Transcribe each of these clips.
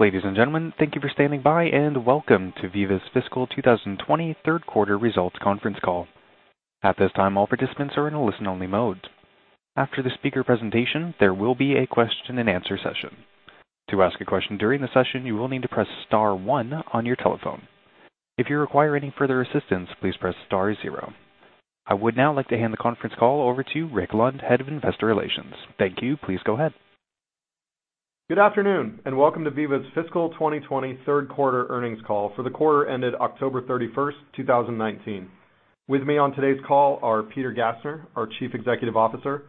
Ladies and gentlemen, thank you for standing by, and welcome to Veeva's fiscal 2020 third quarter results conference call. At this time, all participants are in a listen-only mode. After the speaker presentation, there will be a question and answer session. To ask a question during the session, you will need to press star one on your telephone. If you require any further assistance, please press star zero. I would now like to hand the conference call over to Rick Lund, Head of Investor Relations. Thank you. Please go ahead. Good afternoon. Welcome to Veeva's fiscal 2020 third quarter earnings call for the quarter ended October 31st, 2019. With me on today's call are Peter Gassner, our Chief Executive Officer,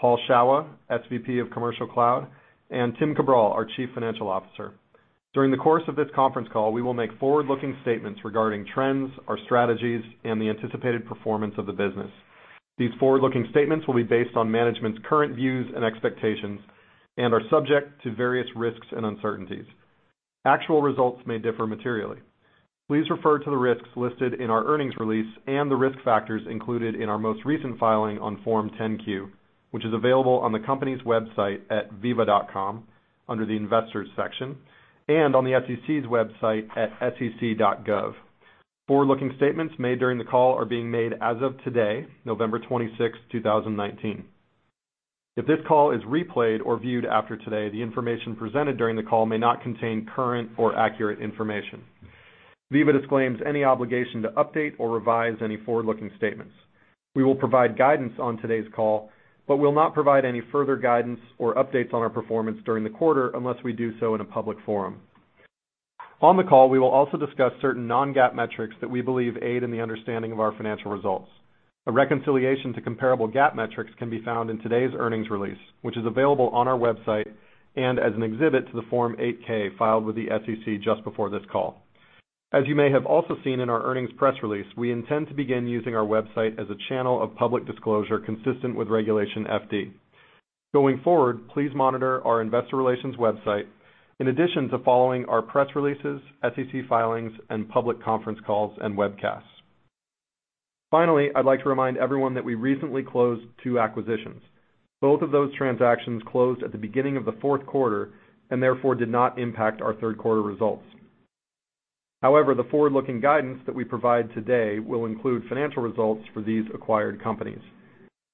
Paul Shawah, SVP of Commercial Cloud, and Tim Cabral, our Chief Financial Officer. During the course of this conference call, we will make forward-looking statements regarding trends, our strategies, and the anticipated performance of the business. These forward-looking statements will be based on management's current views and expectations and are subject to various risks and uncertainties. Actual results may differ materially. Please refer to the risks listed in our earnings release and the risk factors included in our most recent filing on Form 10-Q, which is available on the company's website at veeva.com under the Investors section and on the SEC's website at sec.gov. Forward-looking statements made during the call are being made as of today, November 26, 2019. If this call is replayed or viewed after today, the information presented during the call may not contain current or accurate information. Veeva disclaims any obligation to update or revise any forward-looking statements. We will provide guidance on today's call, but will not provide any further guidance or updates on our performance during the quarter unless we do so in a public forum. On the call, we will also discuss certain non-GAAP metrics that we believe aid in the understanding of our financial results. A reconciliation to comparable GAAP metrics can be found in today's earnings release, which is available on our website and as an exhibit to the Form 8-K filed with the SEC just before this call. As you may have also seen in our earnings press release, we intend to begin using our website as a channel of public disclosure consistent with Regulation FD. Going forward, please monitor our investor relations website in addition to following our press releases, SEC filings, and public conference calls and webcasts. Finally, I'd like to remind everyone that we recently closed two acquisitions. Both of those transactions closed at the beginning of the fourth quarter and therefore did not impact our third quarter results. However, the forward-looking guidance that we provide today will include financial results for these acquired companies.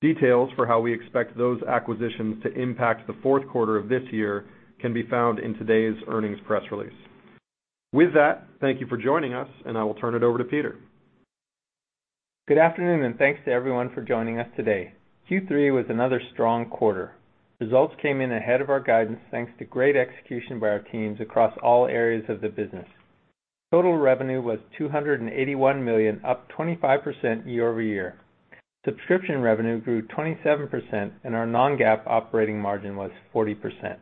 Details for how we expect those acquisitions to impact the fourth quarter of this year can be found in today's earnings press release. With that, thank you for joining us, and I will turn it over to Peter. Good afternoon, and thanks to everyone for joining us today. Q3 was another strong quarter. Results came in ahead of our guidance, thanks to great execution by our teams across all areas of the business. Total revenue was $281 million, up 25% year-over-year. Subscription revenue grew 27% and our non-GAAP operating margin was 40%.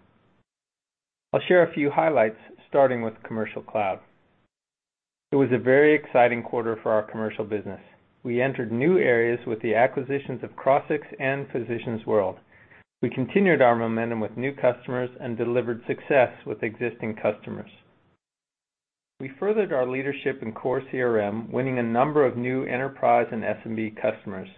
I'll share a few highlights, starting with Commercial Cloud. It was a very exciting quarter for our commercial business. We entered new areas with the acquisitions of Crossix and Physicians World. We continued our momentum with new customers and delivered success with existing customers. We furthered our leadership in core CRM, winning a number of new enterprise and SMB customers.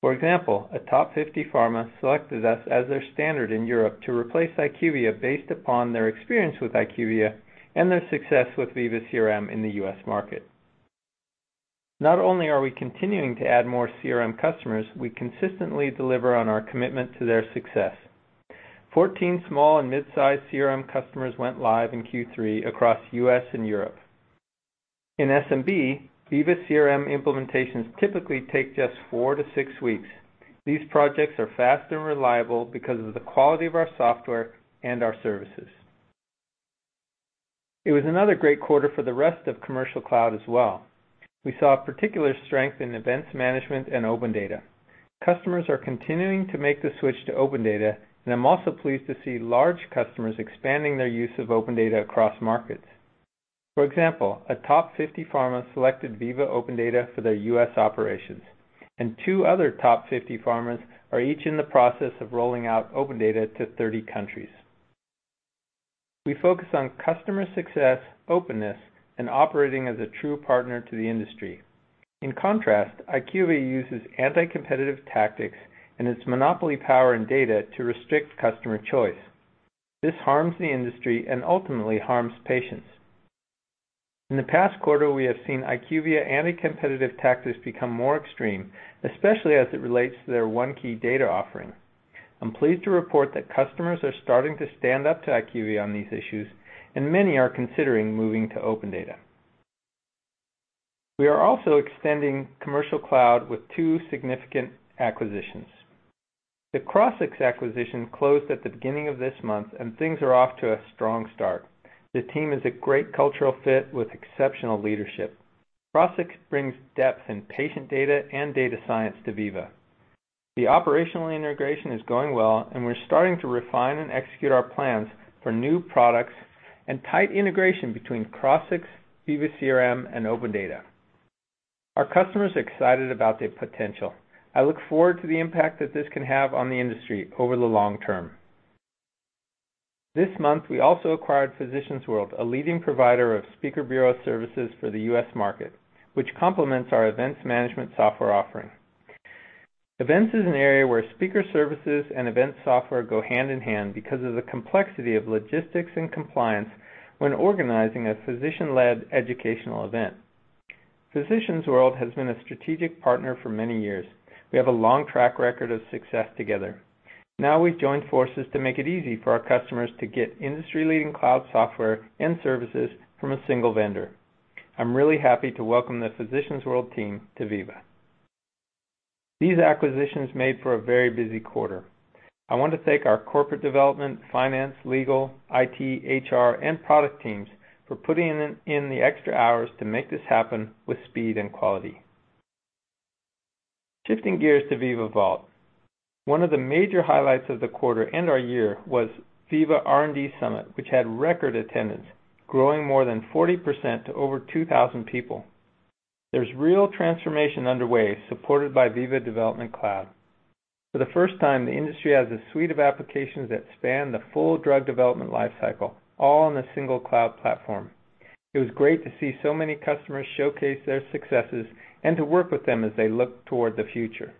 For example, a top 50 pharma selected us as their standard in Europe to replace IQVIA based upon their experience with IQVIA and their success with Veeva CRM in the U.S. market. Not only are we continuing to add more CRM customers, we consistently deliver on our commitment to their success. 14 small and mid-sized CRM customers went live in Q3 across U.S. and Europe. In SMB, Veeva CRM implementations typically take just four to six weeks. These projects are fast and reliable because of the quality of our software and our services. It was another great quarter for the rest of Commercial Cloud as well. We saw particular strength in Events Management and OpenData. Customers are continuing to make the switch to OpenData, and I'm also pleased to see large customers expanding their use of OpenData across markets. For example, a top 50 pharma selected Veeva OpenData for their U.S. operations, and two other top 50 pharmas are each in the process of rolling out OpenData to 30 countries. We focus on customer success, openness, and operating as a true partner to the industry. In contrast, IQVIA uses anti-competitive tactics and its monopoly power and data to restrict customer choice. This harms the industry and ultimately harms patients. In the past quarter, we have seen IQVIA anti-competitive tactics become more extreme, especially as it relates to their OneKey data offering. I'm pleased to report that customers are starting to stand up to IQVIA on these issues, and many are considering moving to OpenData. We are also extending Commercial Cloud with two significant acquisitions. The Crossix acquisition closed at the beginning of this month, and things are off to a strong start. The team is a great cultural fit with exceptional leadership. Crossix brings depth in patient data and data science to Veeva. The operational integration is going well, and we're starting to refine and execute our plans for new products and tight integration between Crossix, Veeva CRM, and OpenData. Our customers are excited about the potential. I look forward to the impact that this can have on the industry over the long term. This month, we also acquired Physicians World, a leading provider of speaker bureau services for the U.S. market, which complements our events management software offering. Events is an area where speaker services and event software go hand in hand because of the complexity of logistics and compliance when organizing a physician-led educational event. Physicians World has been a strategic partner for many years. We have a long track record of success together. Now we've joined forces to make it easy for our customers to get industry-leading cloud software and services from a single vendor. I'm really happy to welcome the Physicians World team to Veeva. These acquisitions made for a very busy quarter. I want to thank our corporate development, finance, legal, IT, HR, and product teams for putting in the extra hours to make this happen with speed and quality. Shifting gears to Veeva Vault. One of the major highlights of the quarter and our year was Veeva R&D Summit, which had record attendance, growing more than 40% to over 2,000 people. There's real transformation underway, supported by Veeva Development Cloud. For the first time, the industry has a suite of applications that span the full drug development life cycle, all on a single cloud platform. It was great to see so many customers showcase their successes and to work with them as they look toward the future.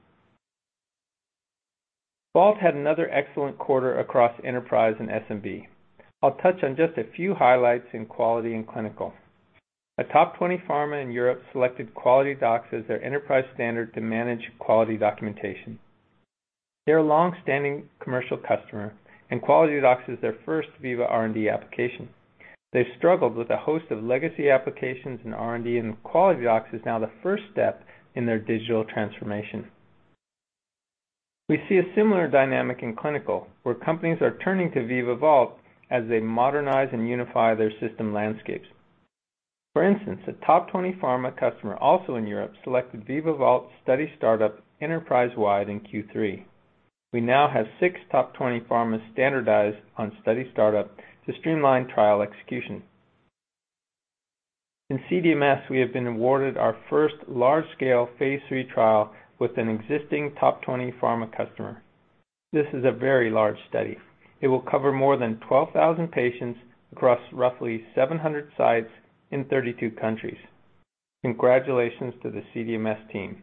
Vault had another excellent quarter across enterprise and SMB. I'll touch on just a few highlights in quality and clinical. A top 20 pharma in Europe selected QualityDocs as their enterprise standard to manage quality documentation. They're a long-standing commercial customer, and QualityDocs is their first Veeva R&D application. They struggled with a host of legacy applications in R&D, and QualityDocs is now the first step in their digital transformation. We see a similar dynamic in clinical, where companies are turning to Veeva Vault as they modernize and unify their system landscapes. For instance, a top 20 pharma customer, also in Europe, selected Veeva Vault Study Startup enterprise-wide in Q3. We now have six top 20 pharmas standardized on Study Startup to streamline trial execution. In CDMS, we have been awarded our first large-scale phase III trial with an existing top-20 pharma customer. This is a very large study. It will cover more than 12,000 patients across roughly 700 sites in 32 countries. Congratulations to the CDMS team.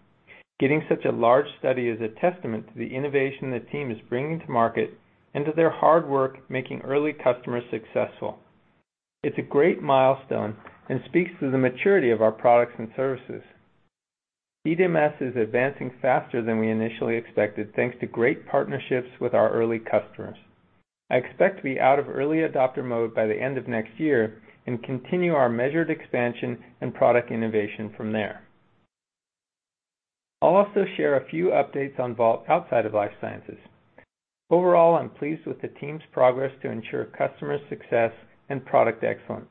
Getting such a large study is a testament to the innovation the team is bringing to market and to their hard work making early customers successful. It's a great milestone and speaks to the maturity of our products and services. CDMS is advancing faster than we initially expected, thanks to great partnerships with our early customers. I expect to be out of early adopter mode by the end of next year and continue our measured expansion and product innovation from there. I'll also share a few updates on Vault outside of life sciences. Overall, I'm pleased with the team's progress to ensure customer success and product excellence.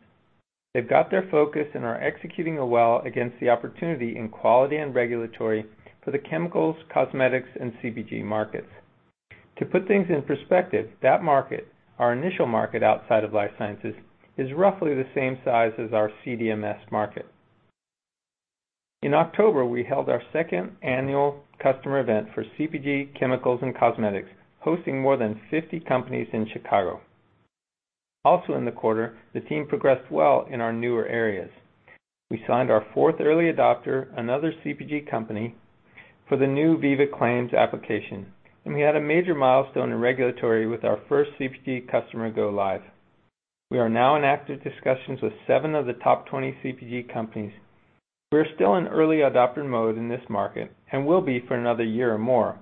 They've got their focus and are executing well against the opportunity in quality and regulatory for the chemicals, cosmetics, and CPG markets. To put things in perspective, that market, our initial market outside of life sciences, is roughly the same size as our CDMS market. In October, we held our second annual customer event for CPG, chemicals, and cosmetics, hosting more than 50 companies in Chicago. In the quarter, the team progressed well in our newer areas. We signed our fourth early adopter, another CPG company, for the new Veeva Claims application. We had a major milestone in regulatory with our first CPG customer go live. We are now in active discussions with seven of the top 20 CPG companies. We're still in early adopter mode in this market and will be for another year or more.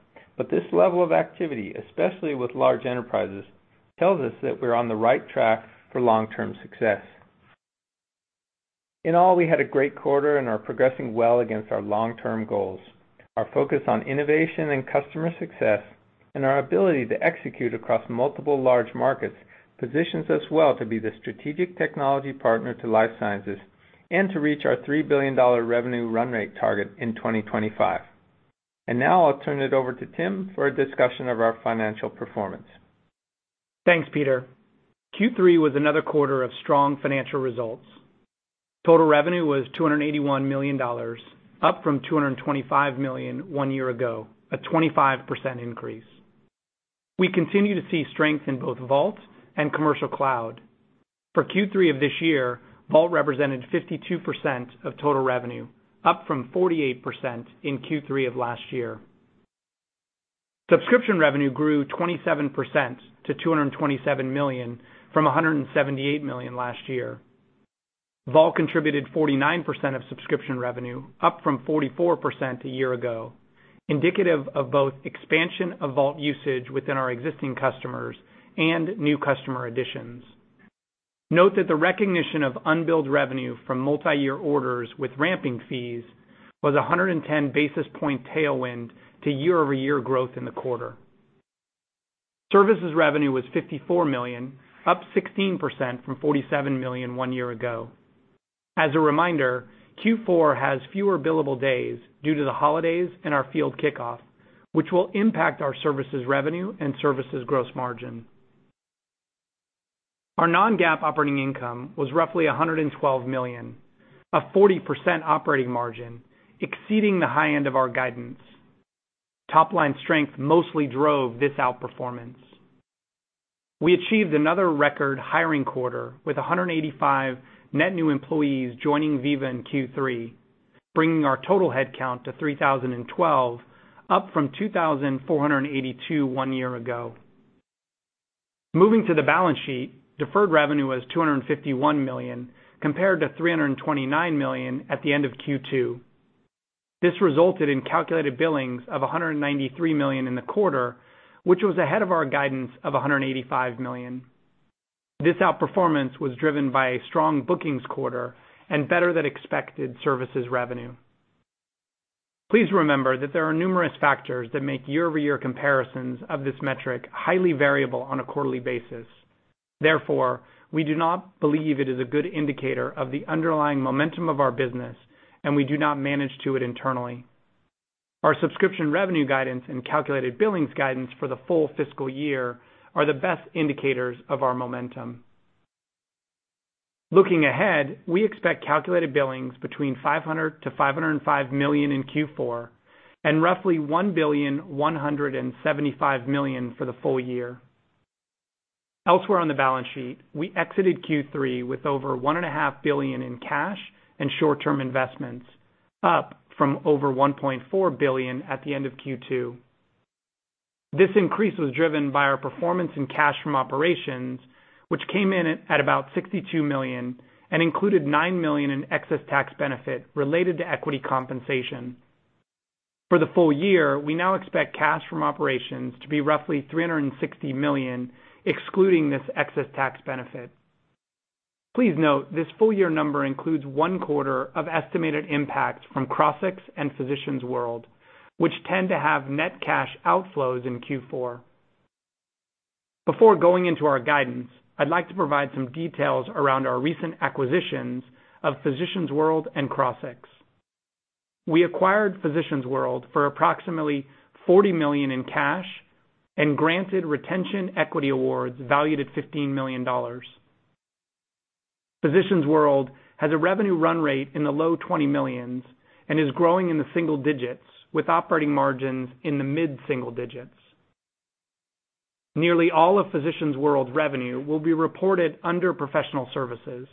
This level of activity, especially with large enterprises, tells us that we're on the right track for long-term success. In all, we had a great quarter and are progressing well against our long-term goals. Our focus on innovation and customer success and our ability to execute across multiple large markets positions us well to be the strategic technology partner to life sciences and to reach our $3 billion revenue run rate target in 2025. Now I'll turn it over to Tim for a discussion of our financial performance. Thanks, Peter. Q3 was another quarter of strong financial results. Total revenue was $281 million, up from $225 million one year ago, a 25% increase. We continue to see strength in both Vault and Commercial Cloud. For Q3 of this year, Vault represented 52% of total revenue, up from 48% in Q3 of last year. Subscription revenue grew 27% to $227 million from $178 million last year. Vault contributed 49% of subscription revenue, up from 44% a year ago, indicative of both expansion of Vault usage within our existing customers and new customer additions. Note that the recognition of unbilled revenue from multi-year orders with ramping fees was 110 basis point tailwind to year-over-year growth in the quarter. Services revenue was $54 million, up 16% from $47 million one year ago. As a reminder, Q4 has fewer billable days due to the holidays and our field kickoff, which will impact our services revenue and services gross margin. Our non-GAAP operating income was roughly $112 million, a 40% operating margin, exceeding the high end of our guidance. Top-line strength mostly drove this outperformance. We achieved another record hiring quarter with 185 net new employees joining Veeva in Q3, bringing our total headcount to 3,012, up from 2,482 one year ago. Moving to the balance sheet, deferred revenue was $251 million compared to $329 million at the end of Q2. This resulted in calculated billings of $193 million in the quarter, which was ahead of our guidance of $185 million. This outperformance was driven by a strong bookings quarter and better than expected services revenue. Please remember that there are numerous factors that make year-over-year comparisons of this metric highly variable on a quarterly basis. We do not believe it is a good indicator of the underlying momentum of our business, and we do not manage to it internally. Our subscription revenue guidance and calculated billings guidance for the full fiscal year are the best indicators of our momentum. Looking ahead, we expect calculated billings between $500 million-$505 million in Q4 and roughly $1.175 billion for the full year. Elsewhere on the balance sheet, we exited Q3 with over $1.5 billion in cash and short-term investments, up from over $1.4 billion at the end of Q2. This increase was driven by our performance in cash from operations, which came in at about $62 million and included $9 million in excess tax benefit related to equity compensation. For the full year, we now expect cash from operations to be roughly $360 million, excluding this excess tax benefit. Please note this full year number includes one quarter of estimated impact from Crossix and Physicians World, which tend to have net cash outflows in Q4. Before going into our guidance, I'd like to provide some details around our recent acquisitions of Physicians World and Crossix. We acquired Physicians World for approximately $40 million in cash and granted retention equity awards valued at $15 million. Physicians World has a revenue run rate in the low $20 millions and is growing in the single digits with operating margins in the mid-single digits. Nearly all of Physicians World's revenue will be reported under professional services.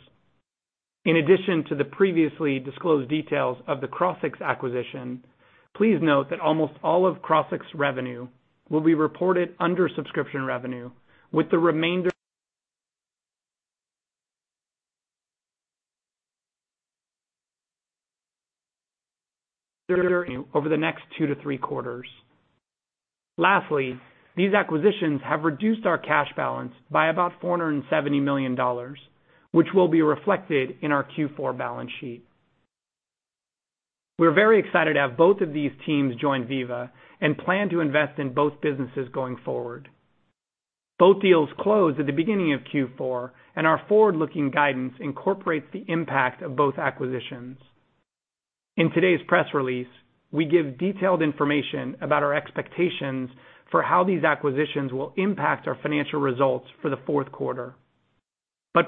In addition to the previously disclosed details of the Crossix acquisition, please note that almost all of Crossix revenue will be reported under subscription revenue, with the remainder over the next two to three quarters. Lastly, these acquisitions have reduced our cash balance by about $470 million, which will be reflected in our Q4 balance sheet. We're very excited to have both of these teams join Veeva and plan to invest in both businesses going forward. Both deals closed at the beginning of Q4. Our forward-looking guidance incorporates the impact of both acquisitions. In today's press release, we give detailed information about our expectations for how these acquisitions will impact our financial results for the fourth quarter.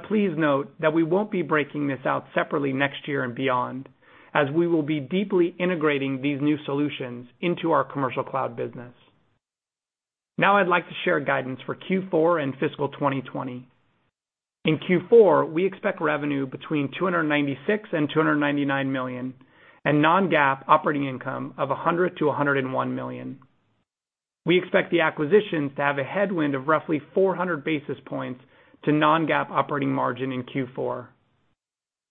Please note that we won't be breaking this out separately next year and beyond, as we will be deeply integrating these new solutions into our Commercial Cloud business. I'd like to share guidance for Q4 and fiscal 2020. In Q4, we expect revenue between $296 million and $299 million, and non-GAAP operating income of $100 million-$101 million. We expect the acquisitions to have a headwind of roughly 400 basis points to non-GAAP operating margin in Q4.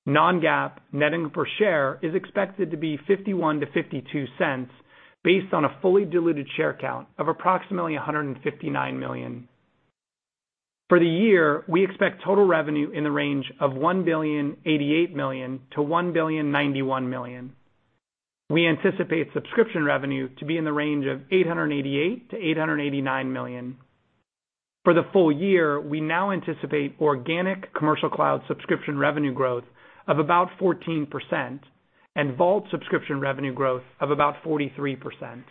Non-GAAP net income per share is expected to be $0.51-$0.52 based on a fully diluted share count of approximately 159 million. For the year, we expect total revenue in the range of $1,088 million-$1,091 million. We anticipate subscription revenue to be in the range of $888 million-$889 million. For the full year, we now anticipate organic Commercial Cloud subscription revenue growth of about 14% and Vault subscription revenue growth of about 43%.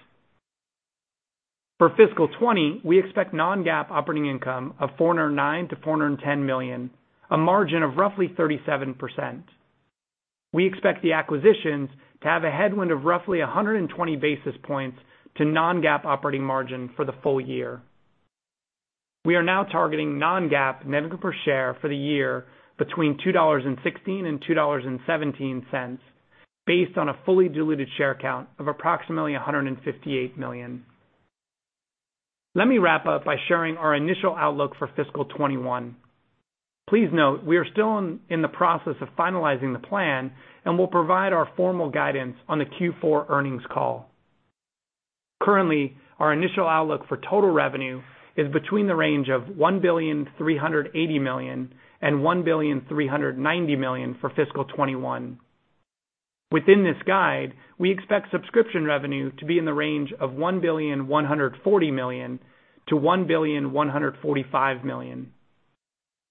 For fiscal 2020, we expect non-GAAP operating income of $409 million-$410 million, a margin of roughly 37%. We expect the acquisitions to have a headwind of roughly 120 basis points to non-GAAP operating margin for the full year. We are now targeting non-GAAP net income per share for the year between $2.16 and $2.17 based on a fully diluted share count of approximately 158 million. Let me wrap up by sharing our initial outlook for fiscal 2021. Please note we are still in the process of finalizing the plan and will provide our formal guidance on the Q4 earnings call. Currently, our initial outlook for total revenue is between the range of $1,380 million and $1,390 million for fiscal 2021. Within this guide, we expect subscription revenue to be in the range of $1,140 million-$1,145 million.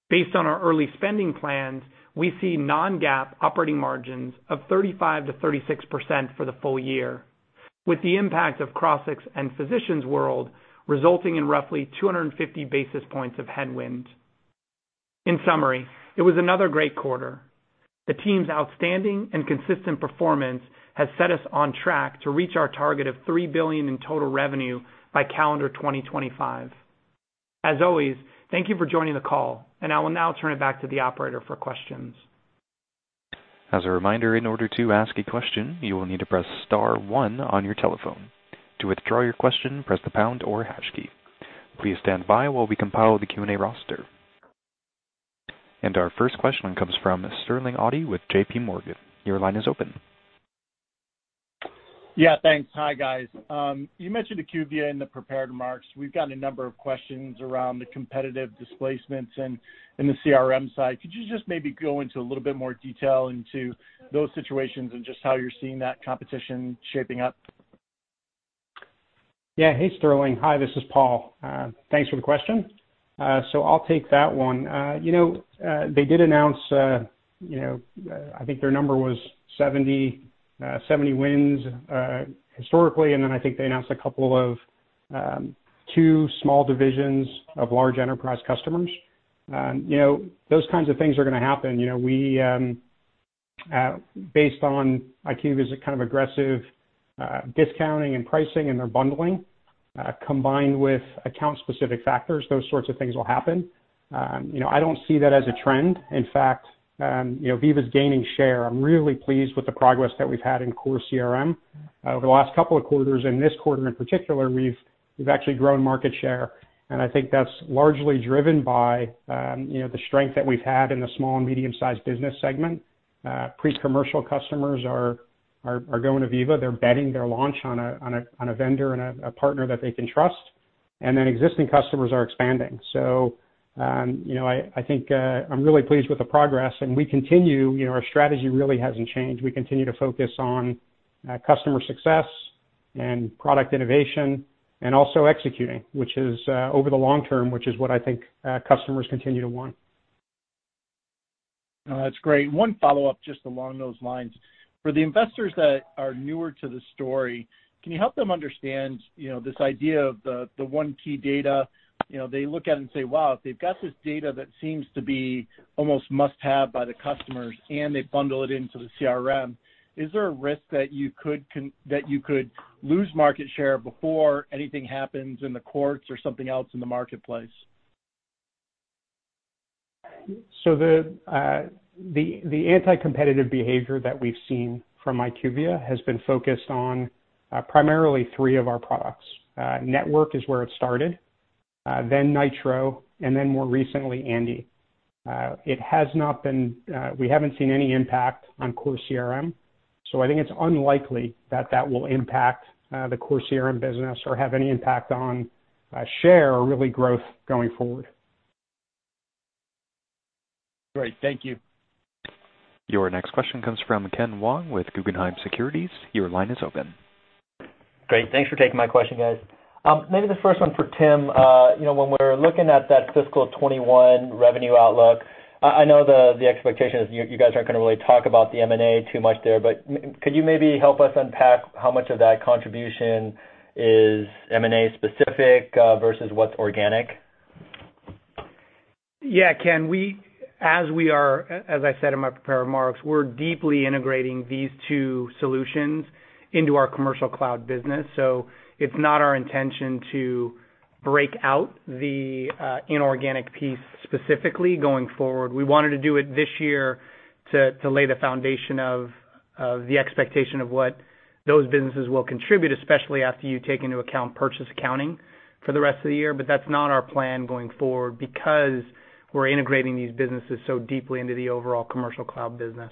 Based on our early spending plans, we see non-GAAP operating margins of 35%-36% for the full year, with the impact of Crossix and Physicians World resulting in roughly 250 basis points of headwind. In summary, it was another great quarter. The team's outstanding and consistent performance has set us on track to reach our target of $3 billion in total revenue by calendar 2025. As always, thank you for joining the call, and I will now turn it back to the operator for questions. As a reminder, in order to ask a question, you will need to press star one on your telephone. To withdraw your question, press the pound or hash key. Please stand by while we compile the Q&A roster. Our first question comes from Sterling Auty with JPMorgan. Yeah, thanks. Hi, guys. You mentioned IQVIA in the prepared remarks. We've gotten a number of questions around the competitive displacements in the CRM side. Could you just maybe go into a little bit more detail into those situations and just how you're seeing that competition shaping up? Yeah. Hey, Sterling. Hi, this is Paul. Thanks for the question. I'll take that one. You know, they did announce, you know, I think their number was 70 wins, historically, and then I think they announced a couple of, two small divisions of large enterprise customers. You know, those kinds of things are gonna happen. You know, we, based on IQVIA's kind of aggressive, discounting and pricing and their bundling, combined with account-specific factors, those sorts of things will happen. You know, I don't see that as a trend. In fact, you know, Veeva's gaining share. I'm really pleased with the progress that we've had in core CRM. Over the last couple of quarters and this quarter in particular, we've actually grown market share. I think that's largely driven by, you know, the strength that we've had in the small and medium-sized business segment. Pre-commercial customers are going to Veeva. They're betting their launch on a vendor and a partner that they can trust, and then existing customers are expanding. You know, I think I'm really pleased with the progress. Our strategy really hasn't changed. We continue to focus on customer success and product innovation and also executing, which is over the long term, which is what I think customers continue to want. No, that's great. One follow-up just along those lines. For the investors that are newer to the story, can you help them understand, you know, this idea of the OneKey data? You know, they look at it and say, "Wow, they've got this data that seems to be almost must-have by the customers, and they bundle it into the CRM." Is there a risk that you could lose market share before anything happens in the courts or something else in the marketplace? The anti-competitive behavior that we've seen from IQVIA has been focused on primarily three of our products. Network is where it started, then Nitro, and then more recently, Andi. It has not been, we haven't seen any impact on core CRM, so I think it's unlikely that that will impact the core CRM business or have any impact on share or really growth going forward. Great. Thank you. Your next question comes from Ken Wong with Guggenheim Securities. Your line is open. Great. Thanks for taking my question, guys. maybe the first one for Tim. you know, when we're looking at that fiscal 2021 revenue outlook, I know the expectation is you guys aren't gonna really talk about the M&A too much there, but could you maybe help us unpack how much of that contribution is M&A specific versus what's organic? Yeah, Ken. As I said in my prepared remarks, we're deeply integrating these two solutions into our Commercial Cloud business. It's not our intention to break out the inorganic piece specifically going forward. We wanted to do it this year to lay the foundation of the expectation of what those businesses will contribute, especially after you take into account purchase accounting for the rest of the year. That's not our plan going forward because we're integrating these businesses so deeply into the overall Commercial Cloud business.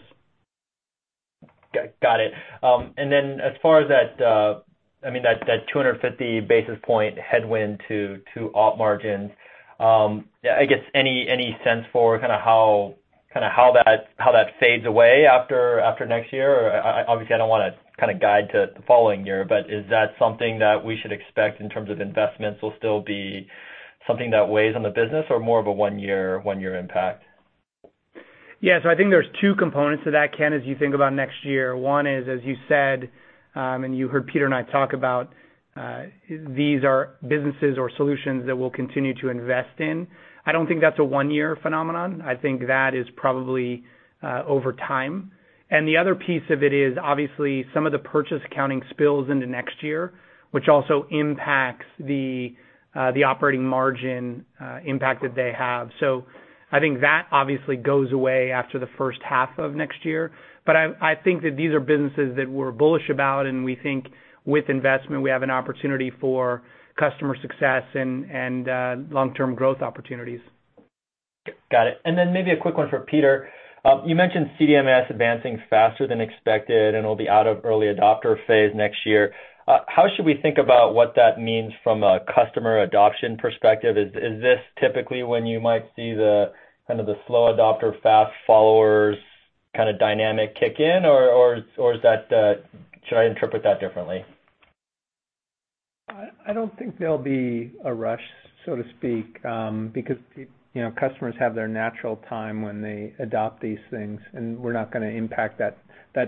Got it. As far as that, I mean, that 250 basis point headwind to op margins, I guess any sense for kinda how that fades away after next year? I obviously I don't wanna kinda guide to the following year, but is that something that we should expect in terms of investments will still be something that weighs on the business or more of a one year impact? I think there's two components to that, Ken, as you think about next year. One is, as you said, and you heard Peter and I talk about, these are businesses or solutions that we'll continue to invest in. I don't think that's a one-year phenomenon. I think that is probably over time. The other piece of it is, obviously, some of the purchase accounting spills into next year, which also impacts the operating margin impact that they have. I think that obviously goes away after the first half of next year. I think that these are businesses that we're bullish about, and we think with investment, we have an opportunity for customer success and long-term growth opportunities. Got it. Maybe a quick one for Peter. You mentioned CDMS advancing faster than expected and will be out of early adopter phase next year. How should we think about what that means from a customer adoption perspective? Is this typically when you might see the, kind of the slow adopter, fast followers kind of dynamic kick in? Should I interpret that differently? I don't think there'll be a rush, so to speak, because you know, customers have their natural time when they adopt these things, and we're not gonna impact that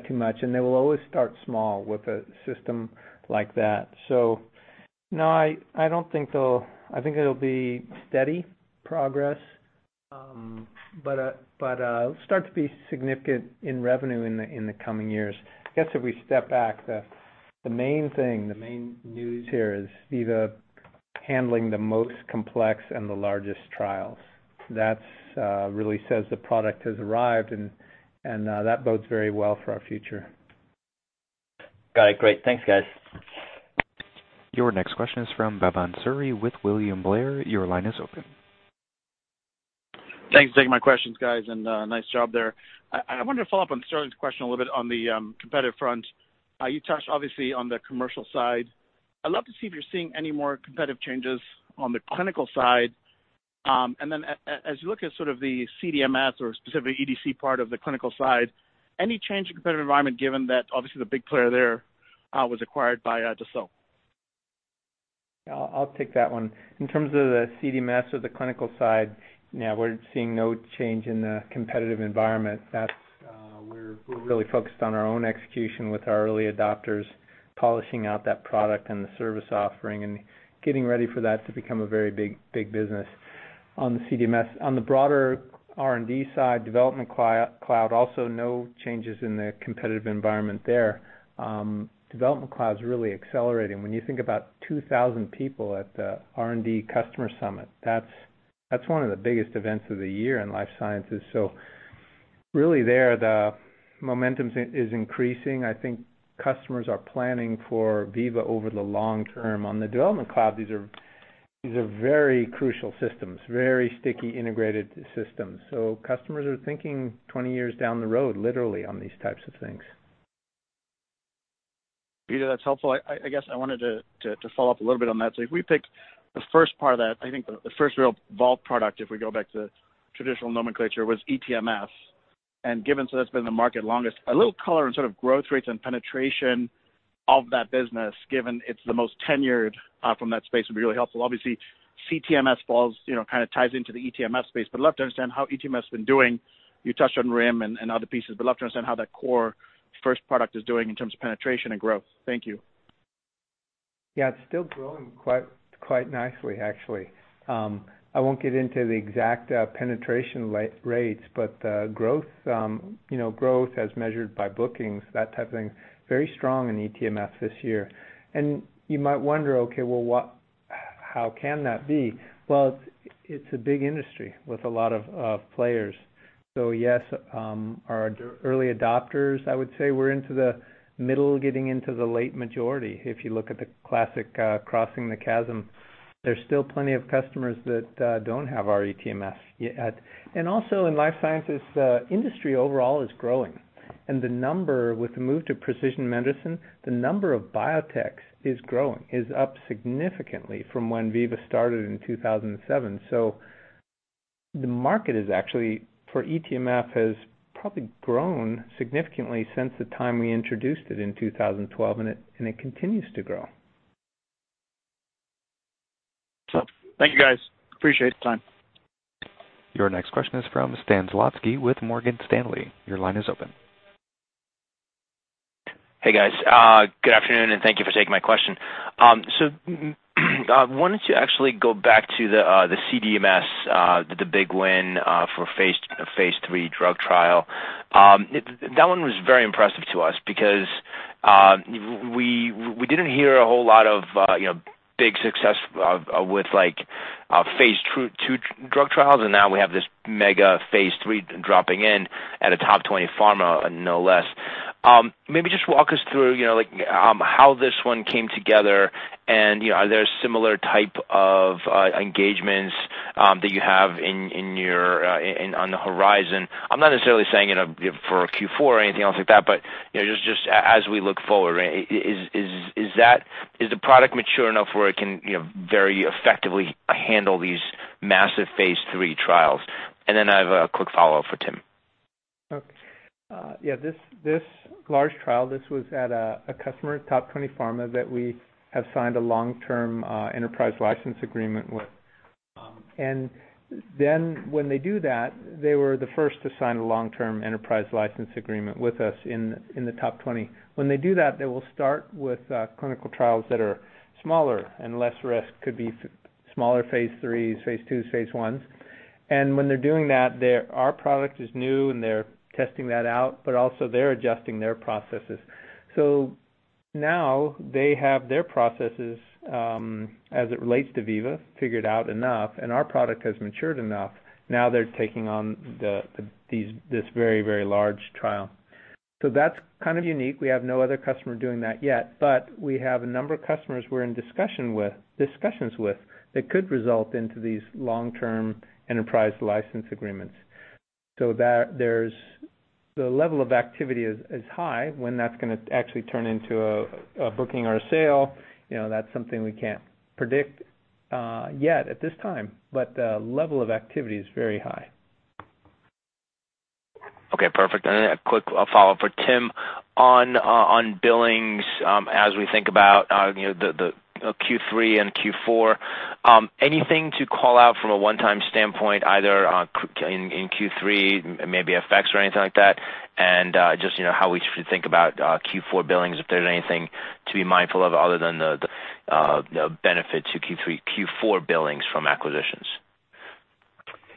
too much. They will always start small with a system like that. No, I don't think it'll be steady progress. Start to be significant in revenue in the coming years. I guess if we step back, the main thing, the main news here is Veeva handling the most complex and the largest trials. That really says the product has arrived and that bodes very well for our future. Got it. Great. Thanks, guys. Your next question is from Bhavan Suri with William Blair. Your line is open. Thanks for taking my questions, guys, and nice job there. I wonder to follow up on Sterling's question a little bit on the competitive front. You touched obviously on the commercial side. I'd love to see if you're seeing any more competitive changes on the clinical side. As you look at sort of the CDMS or specific EDC part of the clinical side, any change in competitive environment given that obviously the big player there was acquired by Dassault? Yeah, I'll take that one. In terms of the CDMS or the clinical side, yeah, we're seeing no change in the competitive environment. That's, we're really focused on our own execution with our early adopters, polishing out that product and the service offering and getting ready for that to become a very big business on the CDMS. On the broader R&D side, Development Cloud also no changes in the competitive environment there. Development Cloud is really accelerating. When you think about 2,000 people at the R&D Customer Summit, that's one of the biggest events of the year in life sciences. Really there, the momentum is increasing. I think customers are planning for Veeva over the long term. On the Development Cloud, these are very crucial systems, very sticky integrated systems. Customers are thinking 20 years down the road, literally on these types of things. Peter, that's helpful. I guess I wanted to follow up a little bit on that. If we pick the first part of that, I think the first real Vault product, if we go back to traditional nomenclature, was eTMF. Given so that's been in the market longest, a little color on sort of growth rates and penetration of that business, given it's the most tenured from that space would be really helpful. Obviously, CTMS falls, you know, kind of ties into the eTMF space. I'd love to understand how eTMF's been doing. You touched on RIM and other pieces, but love to understand how that core first product is doing in terms of penetration and growth. Thank you. Yeah, it's still growing quite nicely, actually. I won't get into the exact penetration rates, growth, you know, as measured by bookings, that type of thing, very strong in eTMF this year. You might wonder, okay, well, how can that be? Well, it's a big industry with a lot of players. Yes, our early adopters, I would say we're into the middle, getting into the late majority. If you look at the classic crossing the chasm, there's still plenty of customers that don't have our eTMF yet. Also in life sciences, industry overall is growing. The number with the move to precision medicine, the number of biotechs is growing, is up significantly from when Veeva started in 2007. The market is actually for eTMF has probably grown significantly since the time we introduced it in 2012, and it continues to grow. Thank you guys. Appreciate the time. Your next question is from Stan Zlotsky with Morgan Stanley. Your line is open. Hey, guys. Good afternoon, and thank you for taking my question. I wanted to actually go back to the CDMS, the big win for phase III drug trial. That one was very impressive to us because we didn't hear a whole lot of, you know, big success with like phase II drug trials, and now we have this mega phase III dropping in at a top 20 pharma, no less. Maybe just walk us through, you know, like, how this one came together and, you know, are there similar type of engagements that you have in your on the horizon? I'm not necessarily saying, you know, for Q4 or anything else like that, you know, just as we look forward, right, is that is the product mature enough where it can, you know, very effectively handle these massive phase III trials? I have a quick follow-up for Tim. Okay. Yeah, this large trial, this was at a customer, top 20 pharma that we have signed a long-term enterprise license agreement with. When they do that, they were the first to sign a long-term enterprise license agreement with us in the top 20. When they do that, they will start with clinical trials that are smaller and less risk. Could be smaller phase III, phase II, phase I. When they're doing that, our product is new and they're testing that out, but also they're adjusting their processes. Now they have their processes as it relates to Veeva, figured out enough, and our product has matured enough. Now they're taking on this very large trial. That's kind of unique. We have no other customer doing that yet, but we have a number of customers we're in discussions with that could result into these long-term enterprise license agreements. The level of activity is high. When that's gonna actually turn into a booking or a sale, you know, that's something we can't predict yet at this time. The level of activity is very high. Okay, perfect. A quick follow-up for Tim on billings, as we think about, you know, the Q3 and Q4, anything to call out from a one-time standpoint, either in Q3, maybe FX or anything like that, just, you know, how we should think about Q4 billings, if there's anything to be mindful of other than the benefit to Q3, Q4 billings from acquisitions?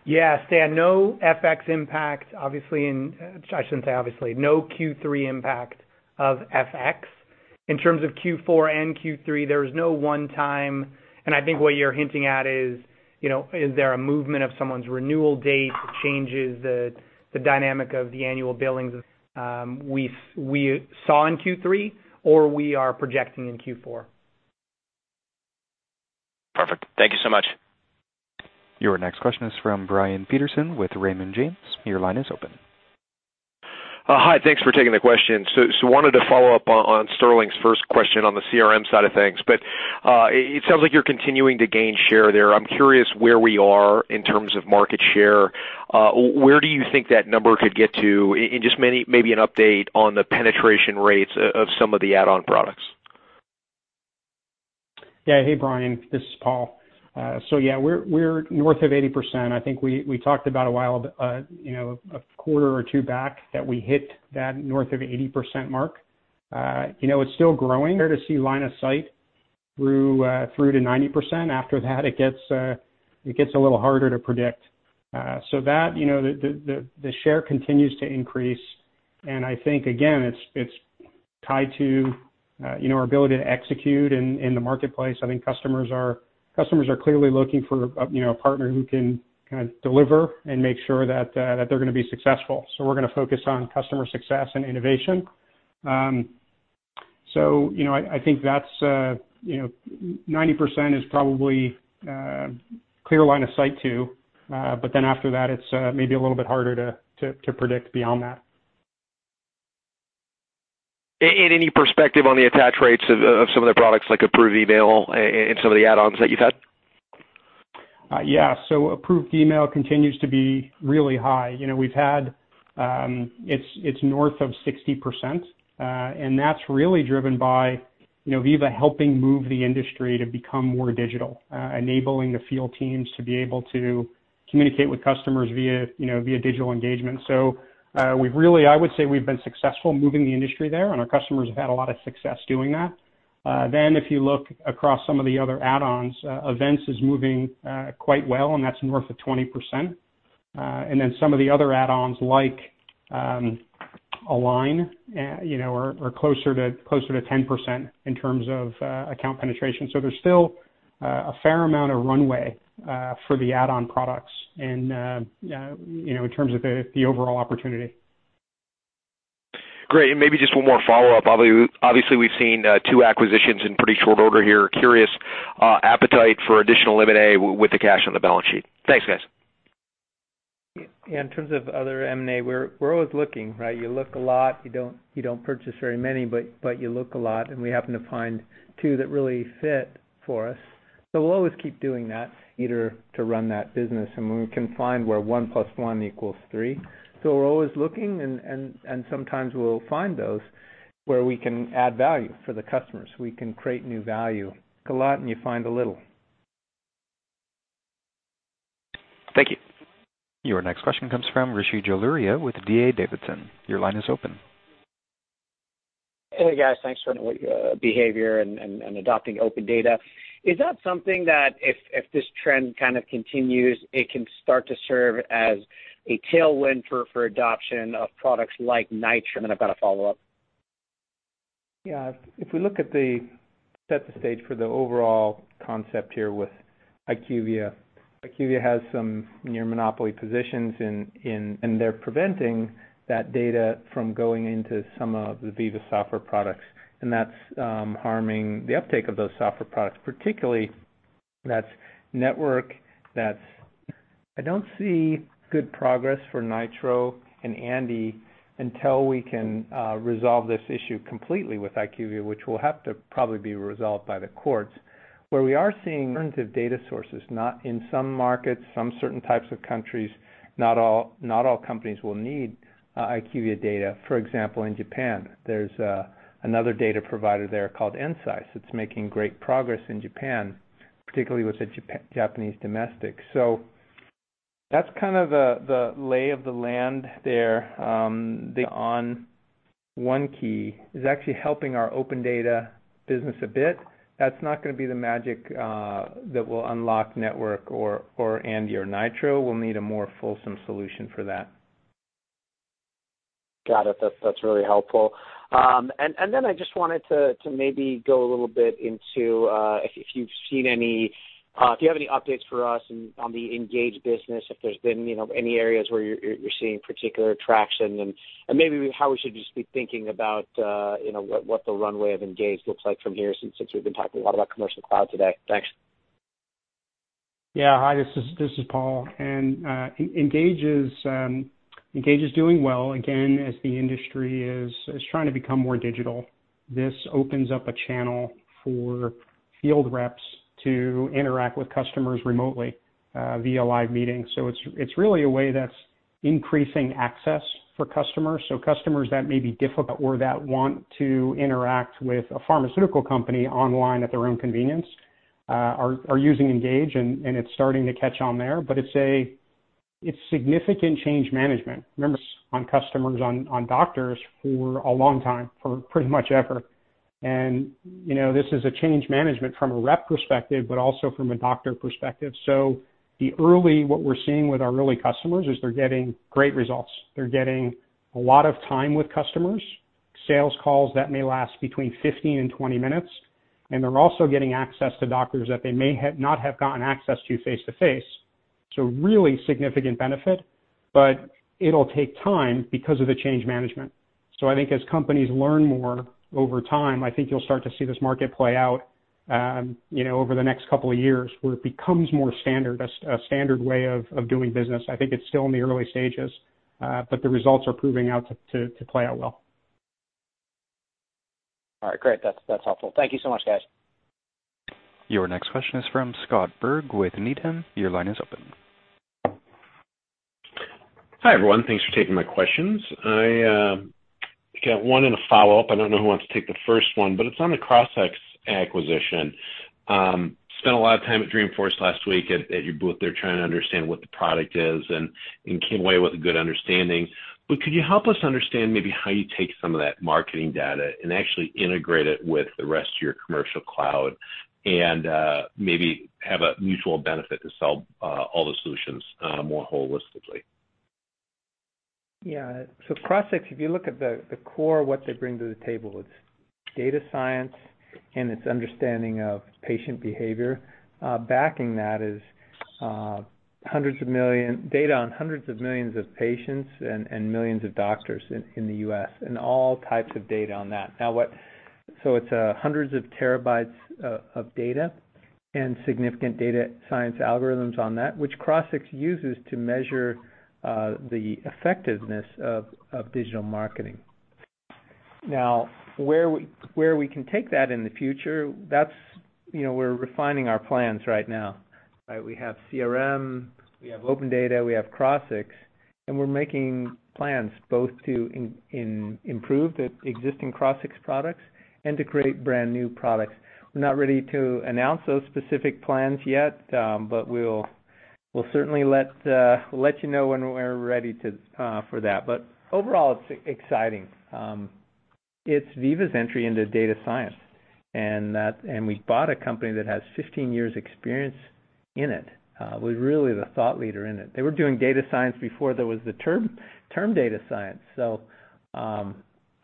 Yeah, Stan, no FX impact, I shouldn't say obviously. No Q3 impact of FX. In terms of Q4 and Q3, there was no one-time. I think what you're hinting at is, you know, is there a movement of someone's renewal date that changes the dynamic of the annual billings, we saw in Q3, or we are projecting in Q4. Perfect. Thank you so much. Your next question is from Brian Peterson with Raymond James. Your line is open. Hi. Thanks for taking the question. Wanted to follow up on Sterling's first question on the CRM side of things. It sounds like you're continuing to gain share there. I'm curious where we are in terms of market share. Where do you think that number could get to? And just maybe an update on the penetration rates of some of the add-on products. Hey, Brian, this is Paul. We're north of 80%. I think we talked about a while, you know, a quarter or two back that we hit that north of 80% mark. You know, it's still growing. Here to see line of sight through to 90%. After that, it gets a little harder to predict. You know, the share continues to increase, and I think, again, it's tied to, you know, our ability to execute in the marketplace. I think customers are clearly looking for a, you know, a partner who can kinda deliver and make sure that they're gonna be successful. We're gonna focus on customer success and innovation. You know, I think that's, you know 90% is probably clear line of sight too, but then after that, it's maybe a little bit harder to predict beyond that. Any perspective on the attach rates of some of the products like Approved Email and some of the add-ons that you've had? Yeah. Approved Email continues to be really high. You know, it's north of 60%, and that's really driven by, you know, Veeva helping move the industry to become more digital, enabling the field teams to be able to communicate with customers via, you know, via digital engagement. I would say we've been successful moving the industry there, and our customers have had a lot of success doing that. If you look across some of the other add-ons, Events is moving quite well, and that's north of 20%. Some of the other add-ons like Align, you know, are closer to 10% in terms of account penetration. There's still a fair amount of runway for the add-on products and, you know, in terms of the overall opportunity. Great. Maybe just one more follow-up. Obviously, we've seen two acquisitions in pretty short order here. Curious, appetite for additional M&A with the cash on the balance sheet. Thanks, guys. Yeah, in terms of other M&A, we're always looking, right? You look a lot, you don't purchase very many, but you look a lot, and we happen to find two that really fit for us. We'll always keep doing that, either to run that business and when we can find where 1 + 1 = 3. We're always looking and sometimes we'll find those where we can add value for the customers. We can create new value. A lot, and you find a little. Thank you. Your next question comes from Rishi Jaluria with D.A. Davidson. Your line is open. Hey, guys. Thanks for behavior and adopting OpenData. Is that something that if this trend kind of continues, it can start to serve as a tailwind for adoption of products like Nitro? I've got a follow-up. Yeah. If we look at the set the stage for the overall concept here with IQVIA. IQVIA has some near monopoly positions in and they're preventing that data from going into some of the Veeva software products, and that's harming the uptake of those software products, particularly that's Network. I don't see good progress for Nitro and Andi until we can resolve this issue completely with IQVIA, which will have to probably be resolved by the courts. Where we are seeing alternative data sources, not in some markets, some certain types of countries, not all, not all companies will need IQVIA data. For example, in Japan, there's another data provider there called Ensight. It's making great progress in Japan, particularly with the Japanese domestic. That's kind of the lay of the land there. The on OneKey is actually helping our OpenData business a bit. That's not gonna be the magic that will unlock Network or ANDI or Nitro. We'll need a more fulsome solution for that. Got it. That's really helpful. Then I just wanted to maybe go a little bit into, if you have any updates for us on the Engage business, if there's been, you know, any areas where you're seeing particular traction and maybe how we should just be thinking about, you know, what the runway of Engage looks like from here since we've been talking a lot about Commercial Cloud today. Thanks. Yeah. Hi, this is Paul. Engage is doing well. Again, as the industry is trying to become more digital, this opens up a channel for field reps to interact with customers remotely via live meetings. It's really a way that's increasing access for customers. Customers that may be difficult or that want to interact with a pharmaceutical company online at their own convenience are using Engage and it's starting to catch on there. It's a significant change management. Remember, on customers, on doctors for a long time, for pretty much ever. You know, this is a change management from a rep perspective, but also from a doctor perspective. What we're seeing with our early customers is they're getting great results. They're getting a lot of time with customers, sales calls that may last between 15 and 20 minutes, and they're also getting access to doctors that they may not have gotten access to face-to-face. Really significant benefit, but it'll take time because of the change management. I think as companies learn more over time, I think you'll start to see this market play out, you know, over the next couple years, where it becomes more standard, a standard way of doing business. I think it's still in the early stages, but the results are proving out to play out well. All right, great. That's helpful. Thank you so much, guys. Your next question is from Scott Berg with Needham. Your line is open. Hi, everyone. Thanks for taking my questions. I got one and a follow-up. I don't know who wants to take the first one, but it's on the Crossix acquisition. Spent a lot of time at Dreamforce last week at your booth there trying to understand what the product is and came away with a good understanding. Could you help us understand maybe how you take some of that marketing data and actually integrate it with the rest of your Commercial Cloud and maybe have a mutual benefit to sell all the solutions more holistically? Crossix, if you look at the core, what they bring to the table, it's data science and it's understanding of patient behavior. Backing that is data on hundreds of millions of patients and millions of doctors in the U.S. and all types of data on that. It's hundreds of terabytes of data and significant data science algorithms on that, which Crossix uses to measure the effectiveness of digital marketing. Where we can take that in the future, that's, you know, we're refining our plans right now, right? We have CRM, we have OpenData, we have Crossix, and we're making plans both to improve the existing Crossix products and to create brand-new products. We're not ready to announce those specific plans yet, but we'll certainly let you know when we're ready for that. Overall, it's exciting. It's Veeva's entry into data science and that we bought a company that has 15 years experience in it, was really the thought leader in it. They were doing data science before there was the term data science.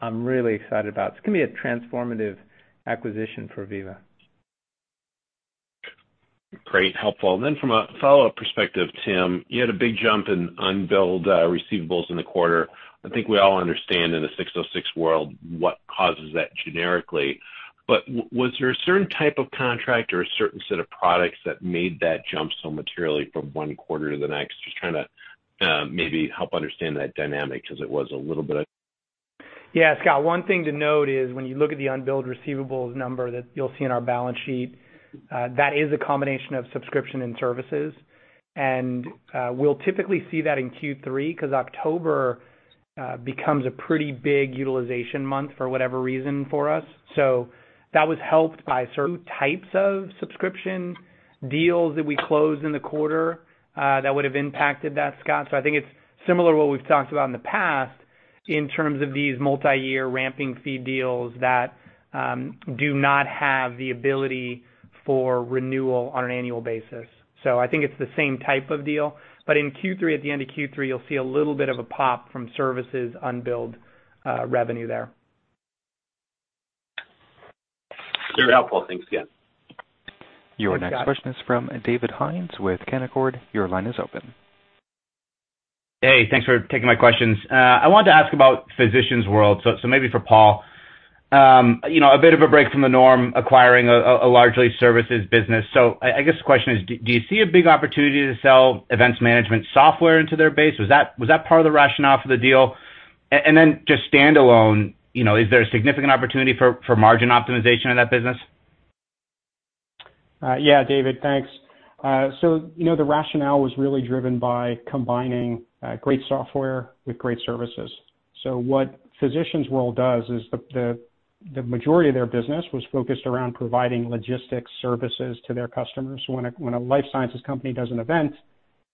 I'm really excited about. It's gonna be a transformative acquisition for Veeva. Great. Helpful. From a follow-up perspective, Tim, you had a big jump in unbilled receivables in the quarter. I think we all understand in the 606 world what causes that generically. Was there a certain type of contract or a certain set of products that made that jump so materially from one quarter to the next? Just trying to maybe help understand that dynamic 'cause it was a little bit. Yeah, Scott. One thing to note is when you look at the unbilled receivables number that you'll see in our balance sheet, that is a combination of subscription and services. We'll typically see that in Q3 'cause October becomes a pretty big utilization month for whatever reason for us. That was helped by certain types of subscription deals that we closed in the quarter, that would've impacted that, Scott. I think it's similar to what we've talked about in the past in terms of these multi-year ramping fee deals that do not have the ability for renewal on an annual basis. I think it's the same type of deal. In Q3, at the end of Q3, you'll see a little bit of a pop from services unbilled revenue there. Very helpful. Thanks again. Thanks, Scott. Your next question is from David Hynes with Canaccord. Your line is open. Hey, thanks for taking my questions. I wanted to ask about Physicians World, so maybe for Paul. you know, a bit of a break from the norm, acquiring a largely services business. I guess the question is do you see a big opportunity to sell events management software into their base? Was that part of the rationale for the deal? Then just standalone, you know, is there a significant opportunity for margin optimization in that business? Yeah, David, thanks. You know, the rationale was really driven by combining great software with great services. What Physicians World does is the majority of their business was focused around providing logistics services to their customers. When a life sciences company does an event,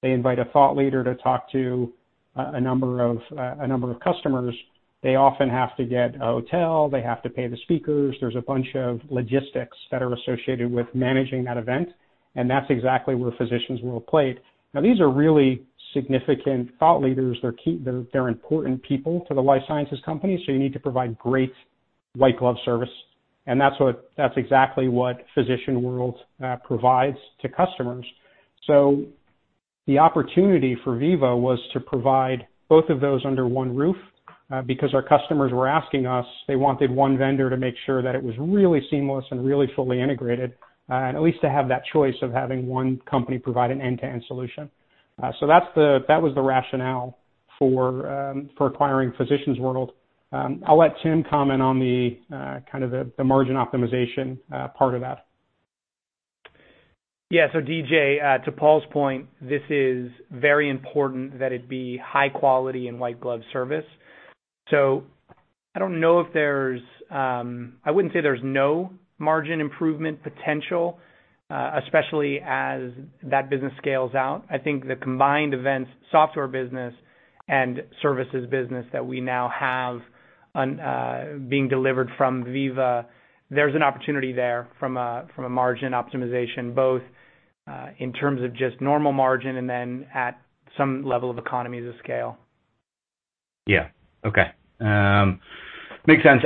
they invite a thought leader to talk to a number of a number of customers. They often have to get a hotel. They have to pay the speakers. There's a bunch of logistics that are associated with managing that event, and that's exactly where Physicians World played. These are really significant thought leaders. They're key. They're important people to the life sciences company, you need to provide great white glove service, and that's exactly what Physicians World provides to customers. The opportunity for Veeva was to provide both of those under one roof, because our customers were asking us. They wanted one vendor to make sure that it was really seamless and really fully integrated, at least to have that choice of having one company provide an end-to-end solution. That was the rationale for acquiring Physicians World. I'll let Tim comment on the kind of the margin optimization part of that. Yeah. DJ, to Paul's point, this is very important that it be high quality and white glove service. I don't know if there's, I wouldn't say there's no margin improvement potential, especially as that business scales out. I think the combined events software business and services business that we now have on, being delivered from Veeva, there's an opportunity there from a, from a margin optimization, both, in terms of just normal margin and then at some level of economies of scale. Yeah. Okay. Makes sense.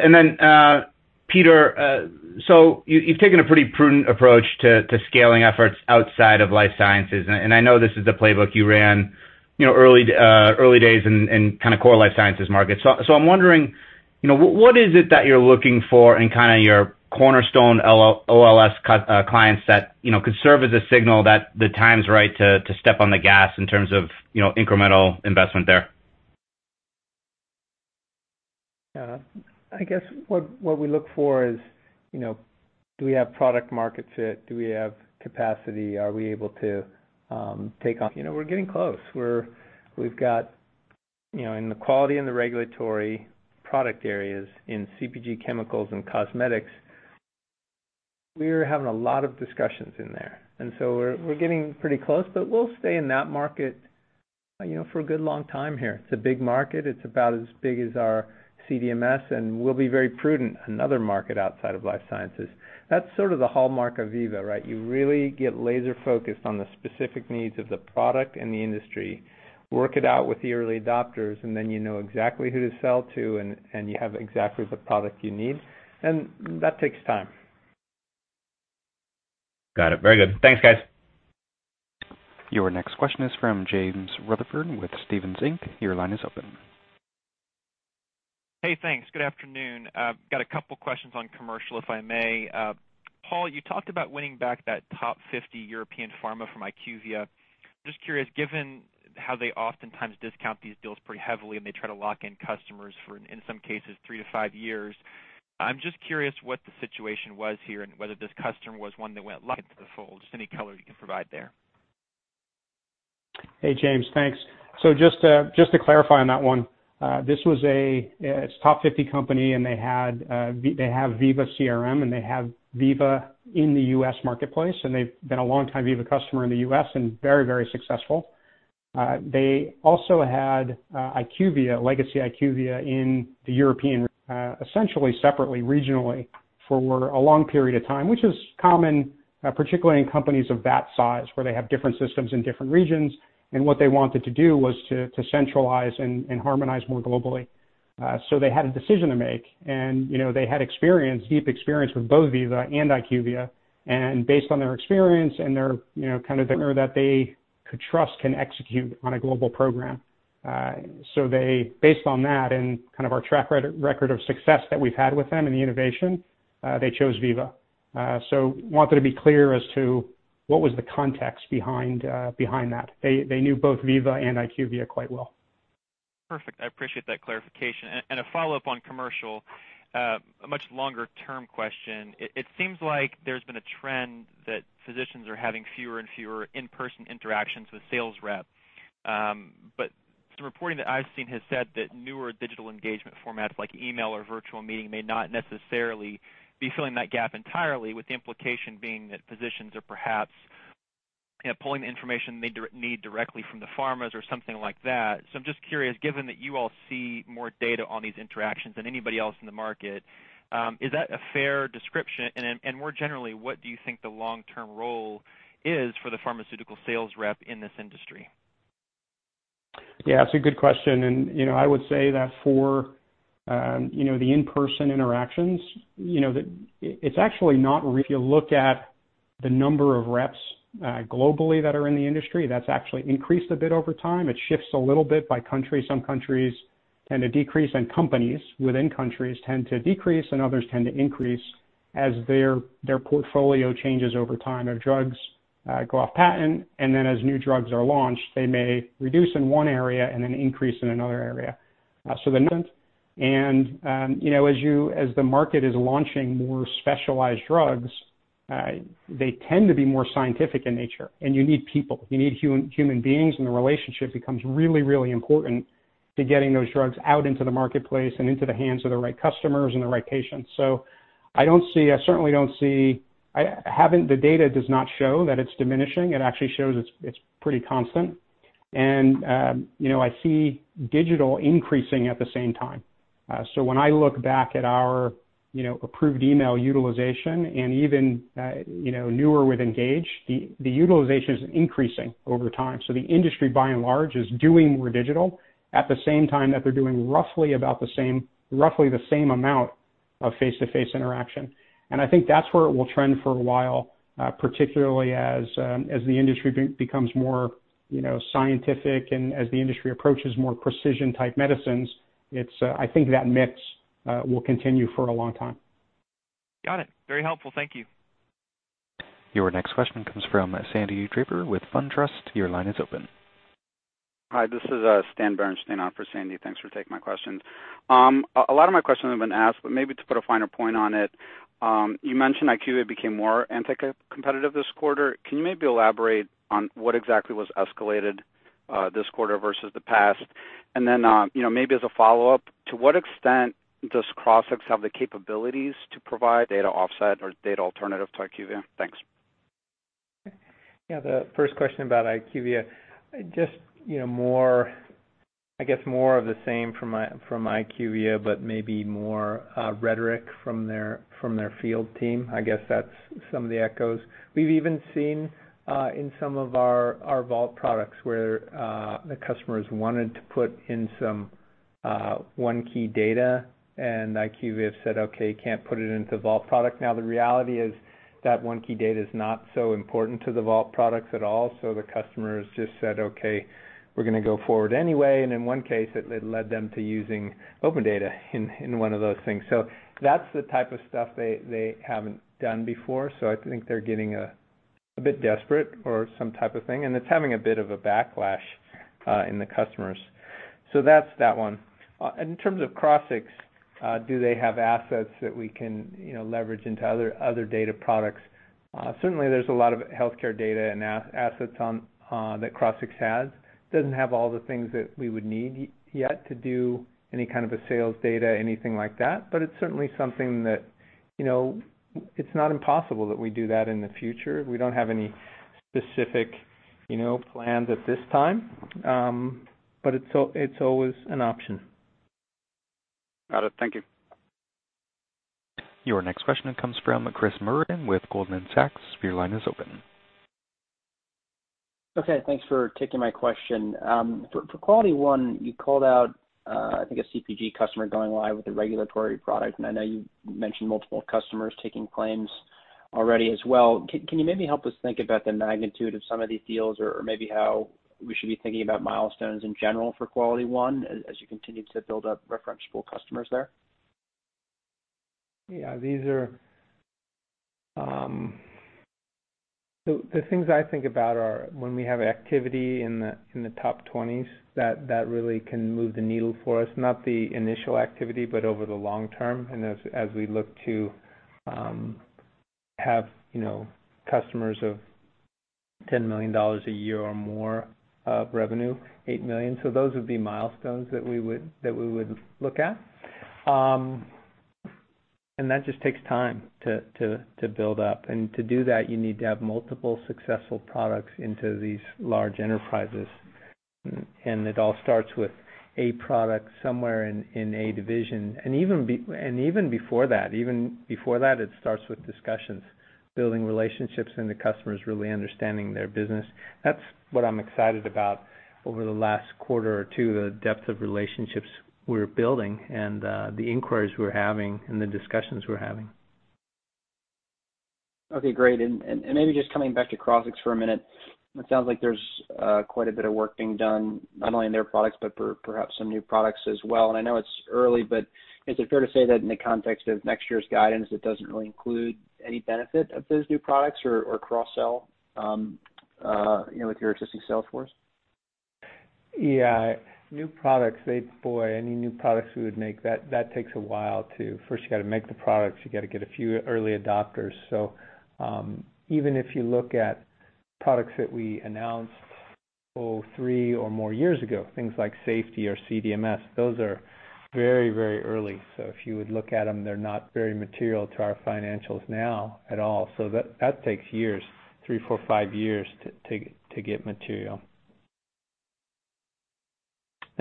Peter, so you've taken a pretty prudent approach to scaling efforts outside of life sciences. I know this is the playbook you ran, you know, early days in kind of core life sciences markets. I'm wondering, you know, what is it that you're looking for in kind of your cornerstone OLS client set, you know, could serve as a signal that the time is right to step on the gas in terms of, you know, incremental investment there? Yeah. I guess what we look for is, you know, do we have product market fit? Do we have capacity? Are we able to take off? You know, we're getting close. We've got, you know, in the quality and the regulatory product areas in CPG chemicals and cosmetics, we're having a lot of discussions in there. We're getting pretty close, but we'll stay in that market, you know, for a good long time here. It's a big market. It's about as big as our CDMS, and we'll be very prudent. Another market outside of life sciences. That's sort of the hallmark of Veeva, right? You really get laser-focused on the specific needs of the product and the industry, work it out with the early adopters, and then you know exactly who to sell to and you have exactly the product you need. That takes time. Got it. Very good. Thanks, guys. Your next question is from James Rutherford with Stephens Inc. Your line is open. Hey, thanks. Good afternoon. Got a couple questions on commercial, if I may. Paul, you talked about winning back that top 50 European pharma from IQVIA. Just curious, given how they oftentimes discount these deals pretty heavily, and they try to lock in customers for, in some cases, three to five years, I'm just curious what the situation was here and whether this customer was one that went into the fold. Just any color you can provide there. Hey, James. Thanks. Just to clarify on that one, this was a, it's top 50 company, they had, they have Veeva CRM, they have Veeva in the U.S. marketplace, they've been a long-time Veeva customer in the U.S. and very successful. They also had IQVIA, legacy IQVIA in the European, essentially separately regionally for a long period of time, which is common, particularly in companies of that size, where they have different systems in different regions. What they wanted to do was to centralize and harmonize more globally. They had a decision to make. You know, they had experience, deep experience with both Veeva and IQVIA. Based on their experience and their, you know, kind of vendor that they could trust can execute on a global program. They, based on that and kind of our track record of success that we've had with them and the innovation, they chose Veeva. I wanted to be clear as to what was the context behind that. They knew both Veeva and IQVIA quite well. Perfect. I appreciate that clarification. A follow-up on commercial, a much longer-term question. It seems like there's been a trend that physicians are having fewer and fewer in-person interactions with sales reps. Some reporting that I've seen has said that newer digital engagement formats like email or virtual meeting may not necessarily be filling that gap entirely, with the implication being that physicians are perhaps, you know, pulling the information they need directly from the pharmas or something like that. I'm just curious, given that you all see more data on these interactions than anybody else in the market, is that a fair description? More generally, what do you think the long-term role is for the pharmaceutical sales rep in this industry? Yeah, that's a good question. You know, I would say that for, you know, the in-person interactions, you know, If you look at the number of reps globally that are in the industry, that's actually increased a bit over time. It shifts a little bit by country. Some countries tend to decrease, and companies within countries tend to decrease, and others tend to increase as their portfolio changes over time or drugs go off patent. As new drugs are launched, they may reduce in one area and then increase in another area. You know, as the market is launching more specialized drugs, they tend to be more scientific in nature, and you need people. You need human beings, the relationship becomes really important to getting those drugs out into the marketplace and into the hands of the right customers and the right patients. I certainly don't see the data does not show that it's diminishing. It actually shows it's pretty constant. You know, I see digital increasing at the same time. When I look back at our, you know, Approved Email utilization and even, you know, newer with Engage, the utilization is increasing over time. The industry, by and large, is doing more digital at the same time that they're doing roughly the same amount of face-to-face interaction. I think that's where it will trend for a while, particularly as the industry becomes more, you know, scientific and as the industry approaches more precision-type medicines. It's, I think that mix, will continue for a long time. Got it. Very helpful. Thank you. Your next question comes from Sandy Draper with SunTrust. Your line is open. Hi, this is Stan Berenshteyn on for Sandy. Thanks for taking my question. A lot of my questions have been asked, but maybe to put a finer point on it, you mentioned IQVIA became more anti-competitive this quarter. Can you maybe elaborate on what exactly was escalated this quarter versus the past? You know, maybe as a follow-up, to what extent does Crossix have the capabilities to provide data offset or data alternative to IQVIA? Thanks. The first question about IQVIA. you know, more, I guess more of the same from IQVIA, maybe more rhetoric from their field team. I guess that's some of the echoes. We've even seen in some of our Vault products where the customers wanted to put in some OneKey data, IQVIA have said, "Okay, can't put it into the Vault product." The reality is that OneKey data is not so important to the Vault products at all, the customers just said, "Okay, we're gonna go forward anyway." In one case, it led them to using OpenData in one of those things. That's the type of stuff they haven't done before. I think they're getting a bit desperate or some type of thing, and it's having a bit of a backlash in the customers. That's that one. In terms of Crossix, do they have assets that we can, you know, leverage into other data products? Certainly there's a lot of healthcare data and assets on that Crossix has. Doesn't have all the things that we would need yet to do any kind of a sales data, anything like that. It's certainly something that, you know, it's not impossible that we do that in the future. We don't have any specific, you know, plans at this time. It's always an option. Got it. Thank you. Your next question comes from Chris Merwin with Goldman Sachs. Your line is open. Okay, thanks for taking my question. For QualityOne, you called out, I think a CPG customer going live with a regulatory product, and I know you mentioned multiple customers taking claims already as well. Can you maybe help us think about the magnitude of some of these deals or maybe how we should be thinking about milestones in general for QualityOne as you continue to build up referenceable customers there? Yeah. These are the things I think about are when we have activity in the top 20s that really can move the needle for us. Not the initial activity, but over the long term, as we look to have, you know, customers of $10 million a year or more of revenue, $8 million. Those would be milestones that we would look at. That just takes time to build up. To do that, you need to have multiple successful products into these large enterprises. It all starts with a product somewhere in a division. Even before that, it starts with discussions, building relationships, and the customers really understanding their business. That's what I'm excited about over the last quarter or two, the depth of relationships we're building and the inquiries we're having and the discussions we're having. Okay, great. Maybe just coming back to Crossix for a minute. It sounds like there's quite a bit of work being done, not only on their products, but for perhaps some new products as well. I know it's early, but is it fair to say that in the context of next year's guidance, it doesn't really include any benefit of those new products or cross-sell, you know, with your existing sales force? Yeah. New products, boy, any new products we would make, that takes a while. First you gotta make the products, you gotta get a few early adopters. Even if you look at products that we announced, oh, three or more years ago, things like Safety or CDMS, those are very, very early. If you would look at them, they're not very material to our financials now at all. That takes years, three, four, five years to get material.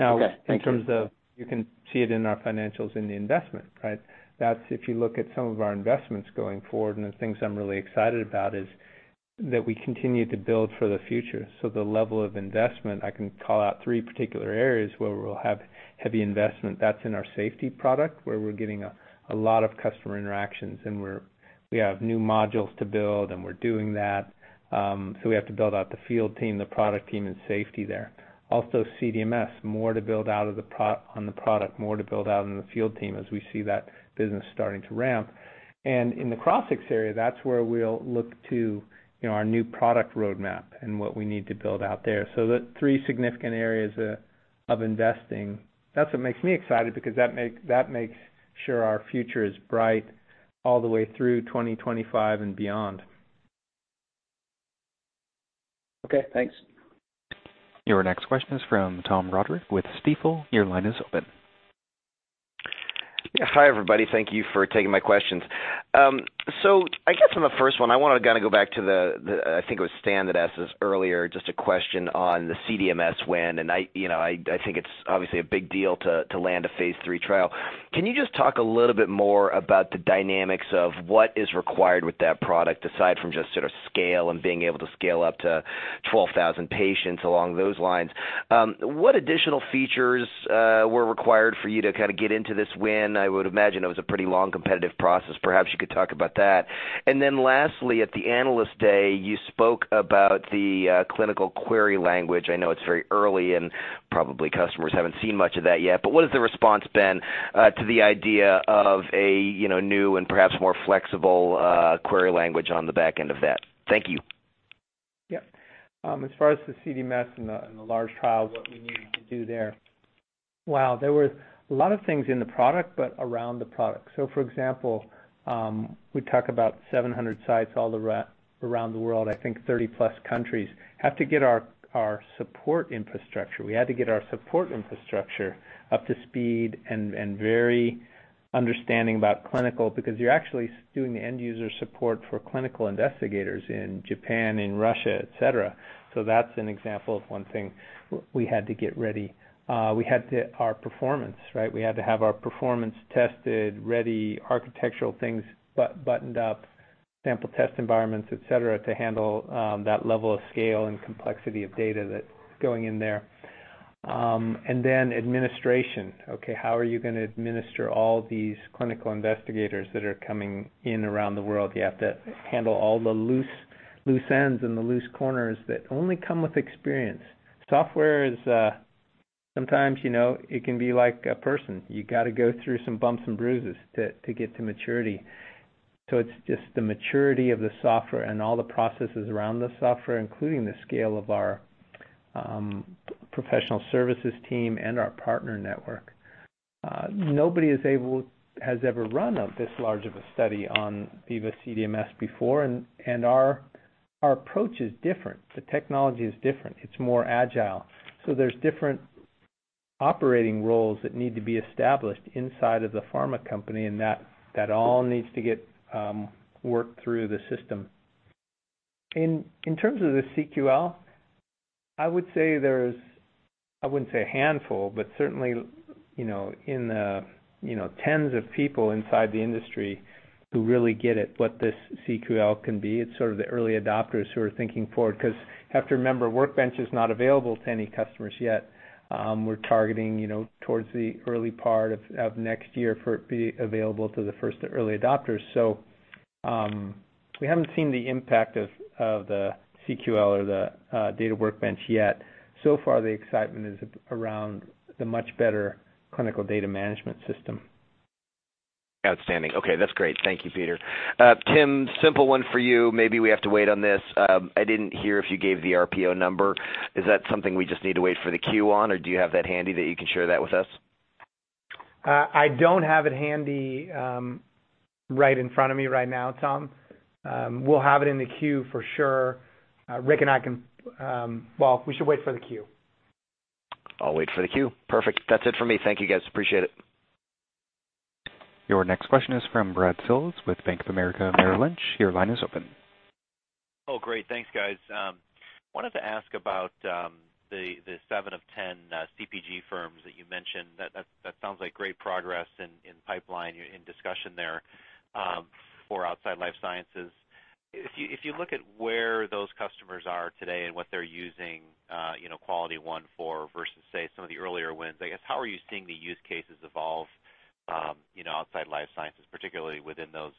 Okay. Thank you. You can see it in our financials in the investment, right? That's if you look at some of our investments going forward, and the things I'm really excited about is that we continue to build for the future. The level of investment, I can call out three particular areas where we'll have heavy investment. That's in our Safety product, where we're getting a lot of customer interactions and we have new modules to build, and we're doing that. We have to build out the field team, the product team, and Safety there. Also CDMS, more to build out on the product, more to build out on the field team as we see that business starting to ramp. In the Crossix area, that's where we'll look to, you know, our new product roadmap and what we need to build out there. The three significant areas of investing, that's what makes me excited because that makes sure our future is bright all the way through 2025 and beyond. Okay, thanks. Your next question is from Tom Roderick with Stifel. Your line is open. Hi, everybody. Thank you for taking my questions. I guess on the first one, I wanna kinda go back to the, I think it was Stan that asked this earlier, just a question on the CDMS win. I, you know, I think it's obviously a big deal to land a phase III trial. Can you just talk a little bit more about the dynamics of what is required with that product, aside from just sort of scale and being able to scale up to 12,000 patients along those lines? What additional features were required for you to kinda get into this win? I would imagine it was a pretty long competitive process. Perhaps you could talk about that. Lastly, at the Analyst Day, you spoke about the Clinical Query Language. I know it's very early and probably customers haven't seen much of that yet, but what has the response been to the idea of a, you know, new and perhaps more flexible query language on the back end of that? Thank you. Yeah. As far as the CDMS and the large trial, what we need to do there. Wow. There were a lot of things in the product, but around the product. For example, we talk about 700 sites all around the world. I think 30-plus countries. We had to get our support infrastructure up to speed and very understanding about clinical, because you're actually doing the end user support for clinical investigators in Japan, in Russia, et cetera. That's an example of one thing we had to get ready. We had to have our performance tested, ready, architectural things buttoned up, sample test environments, et cetera, to handle that level of scale and complexity of data that's going in there. Then administration. Okay, how are you gonna administer all these clinical investigators that are coming in around the world? You have to handle all the loose ends and the loose corners that only come with experience. Software is sometimes, you know, it can be like a person. You gotta go through some bumps and bruises to get to maturity. It's just the maturity of the software and all the processes around the software, including the scale of our professional services team and our partner network. Nobody has ever run a this large of a study on Veeva CDMS before, and our approach is different. The technology is different. It's more agile. There's different operating roles that need to be established inside of the pharma company, and that all needs to get worked through the system. In terms of the CQL, I would say there's, I wouldn't say a handful, but certainly, you know, in the, you know, tens of people inside the industry who really get it, what this CQL can be. It's sort of the early adopters who are thinking forward. 'Cause you have to remember, Workbench is not available to any customers yet. We're targeting, you know, towards the early part of next year for it be available to the first early adopters. We haven't seen the impact of the CQL or the data workbench yet. So far, the excitement is around the much better clinical data management system. Outstanding. Okay, that's great. Thank you, Peter. Tim, simple one for you. Maybe we have to wait on this. I didn't hear if you gave the RPO number. Is that something we just need to wait for the queue on, or do you have that handy that you can share that with us? I don't have it handy, right in front of me right now, Tom. We'll have it in the queue for sure. Rick and I can, Well, we should wait for the queue. I'll wait for the queue. Perfect. That's it for me. Thank you, guys. Appreciate it. Your next question is from Brad Sills with Bank of America Merrill Lynch. Your line is open. Great. Thanks, guys. Wanted to ask about the seven of 10 CPG firms that you mentioned. That sounds like great progress in pipeline, in discussion there, for outside life sciences. If you look at where those customers are today and what they're using, you know, QualityOne for versus, say, some of the earlier wins, I guess, how are you seeing the use cases evolve, you know, outside life sciences, particularly within those,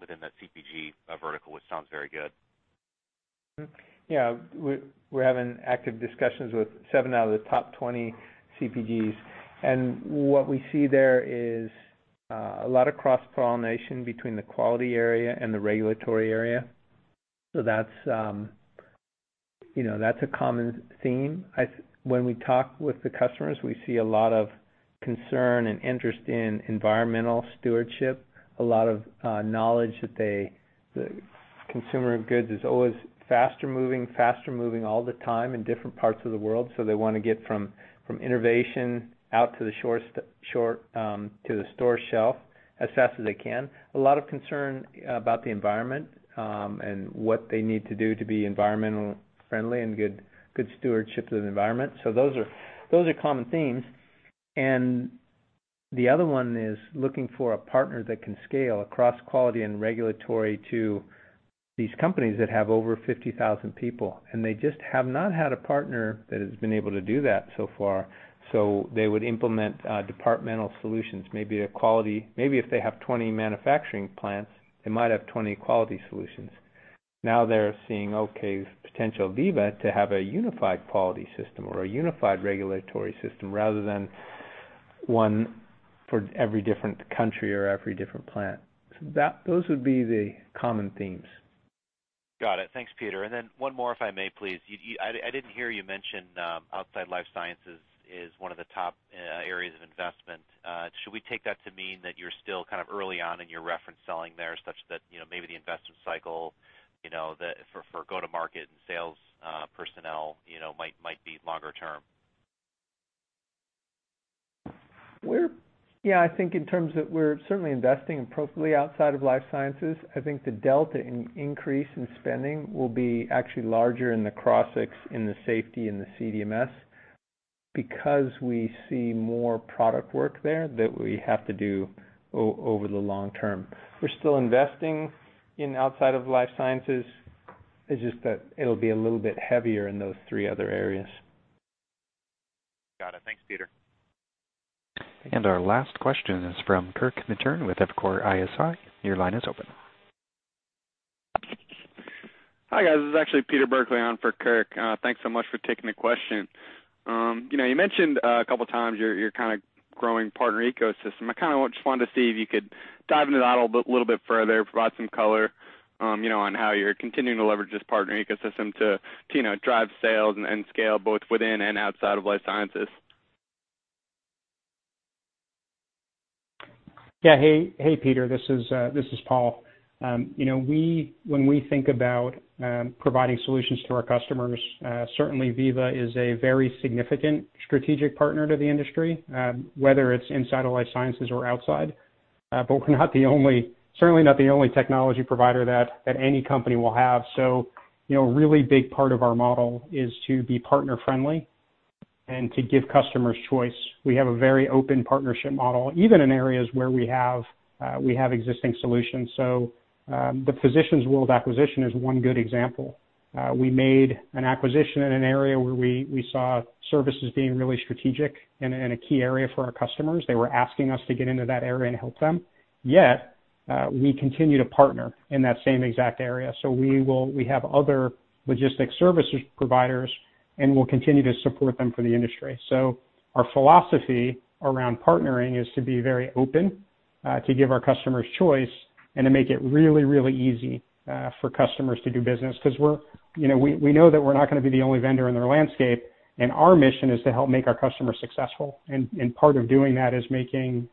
within that CPG vertical, which sounds very good? Yeah. We're having active discussions with seven out of the top 20 CPGs. What we see there is a lot of cross-pollination between the quality area and the regulatory area. That's, you know, that's a common theme. When we talk with the customers, we see a lot of concern and interest in environmental stewardship, a lot of knowledge that they, the consumer goods is always faster moving all the time in different parts of the world, so they wanna get from innovation out to the shores to the store shelf as fast as they can. A lot of concern about the environment, and what they need to do to be environmental friendly and good stewardship to the environment. Those are common themes. The other one is looking for a partner that can scale across quality and regulatory to these companies that have over 50,000 people, and they just have not had a partner that has been able to do that so far. They would implement departmental solutions. Maybe if they have 20 manufacturing plants, they might have 20 quality solutions. They're seeing, okay, potential Veeva to have a unified quality system or a unified regulatory system rather than one for every different country or every different plant. Those would be the common themes. Got it. Thanks, Peter. One more, if I may, please. I didn't hear you mention outside life sciences is one of the top areas of investment. Should we take that to mean that you're still kind of early on in your reference selling there, such that, you know, maybe the investment cycle, for go-to-market and sales personnel, you know, might be longer term? We're Yeah, I think in terms of we're certainly investing appropriately outside of life sciences. I think the delta in increase in spending will be actually larger in the Crossix, in the Safety and the CDMS because we see more product work there that we have to do over the long term. We're still investing in outside of life sciences. It's just that it'll be a little bit heavier in those thee other areas. Got it. Thanks, Peter. Our last question is from Kirk Materne with Evercore ISI. Your line is open. Hi, guys. This is actually Peter Berkley on for Kirk. Thanks so much for taking the question. You know, you mentioned a couple times you're kinda growing partner ecosystem. Just wanted to see if you could dive into that a little bit further, provide some color, you know, on how you're continuing to leverage this partner ecosystem to drive sales and scale both within and outside of life sciences. Hey, hey, Peter, this is Paul. You know, when we think about providing solutions to our customers, certainly Veeva is a very significant strategic partner to the industry, whether it's inside of life sciences or outside. We're not the only, certainly not the only technology provider that any company will have. You know, a really big part of our model is to be partner-friendly and to give customers choice. We have a very open partnership model, even in areas where we have existing solutions. The Physicians World acquisition is one good example. We made an acquisition in an area where we saw services being really strategic and a key area for our customers. They were asking us to get into that area and help them. We continue to partner in that same exact area. We have other logistic services providers, and we'll continue to support them for the industry. Our philosophy around partnering is to be very open, to give our customers choice and to make it really, really easy for customers to do business. 'Cause you know, we know that we're not gonna be the only vendor in their landscape, and our mission is to help make our customers successful. Part of doing that is making,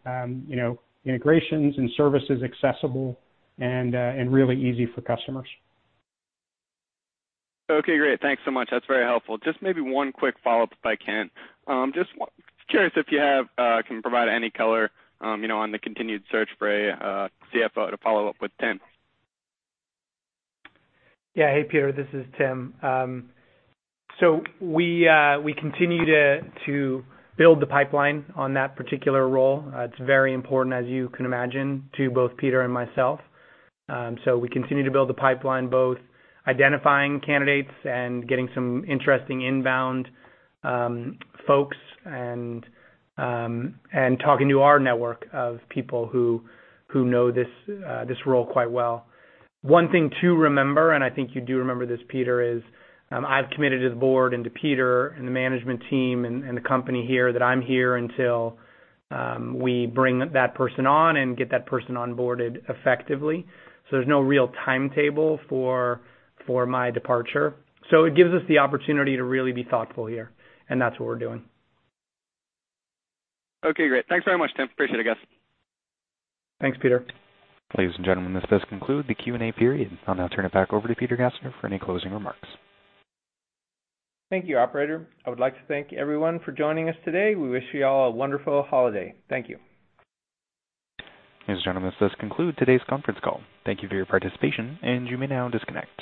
you know, integrations and services accessible and really easy for customers. Okay, great. Thanks so much. That's very helpful. Just maybe one quick follow-up, if I can. Just curious if you have, can provide any color, you know, on the continued search for a CFO to follow up with Tim. Yeah. Hey, Peter, this is Tim. We continue to build the pipeline on that particular role. It's very important, as you can imagine, to both Peter and myself. We continue to build the pipeline, both identifying candidates and getting some interesting inbound folks and talking to our network of people who know this role quite well. One thing to remember, and I think you do remember this, Peter, is I've committed to the board and to Peter and the management team and the company here that I'm here until we bring that person on and get that person onboarded effectively. There's no real timetable for my departure. It gives us the opportunity to really be thoughtful here, and that's what we're doing. Okay, great. Thanks very much, Tim. Appreciate it, guys. Thanks, Peter. Ladies and gentlemen, this does conclude the Q&A period. I'll now turn it back over to Peter Gassner for any closing remarks. Thank you, operator. I would like to thank everyone for joining us today. We wish you all a wonderful holiday. Thank you. Ladies and gentlemen, this does conclude today's conference call. Thank you for your participation, and you may now disconnect.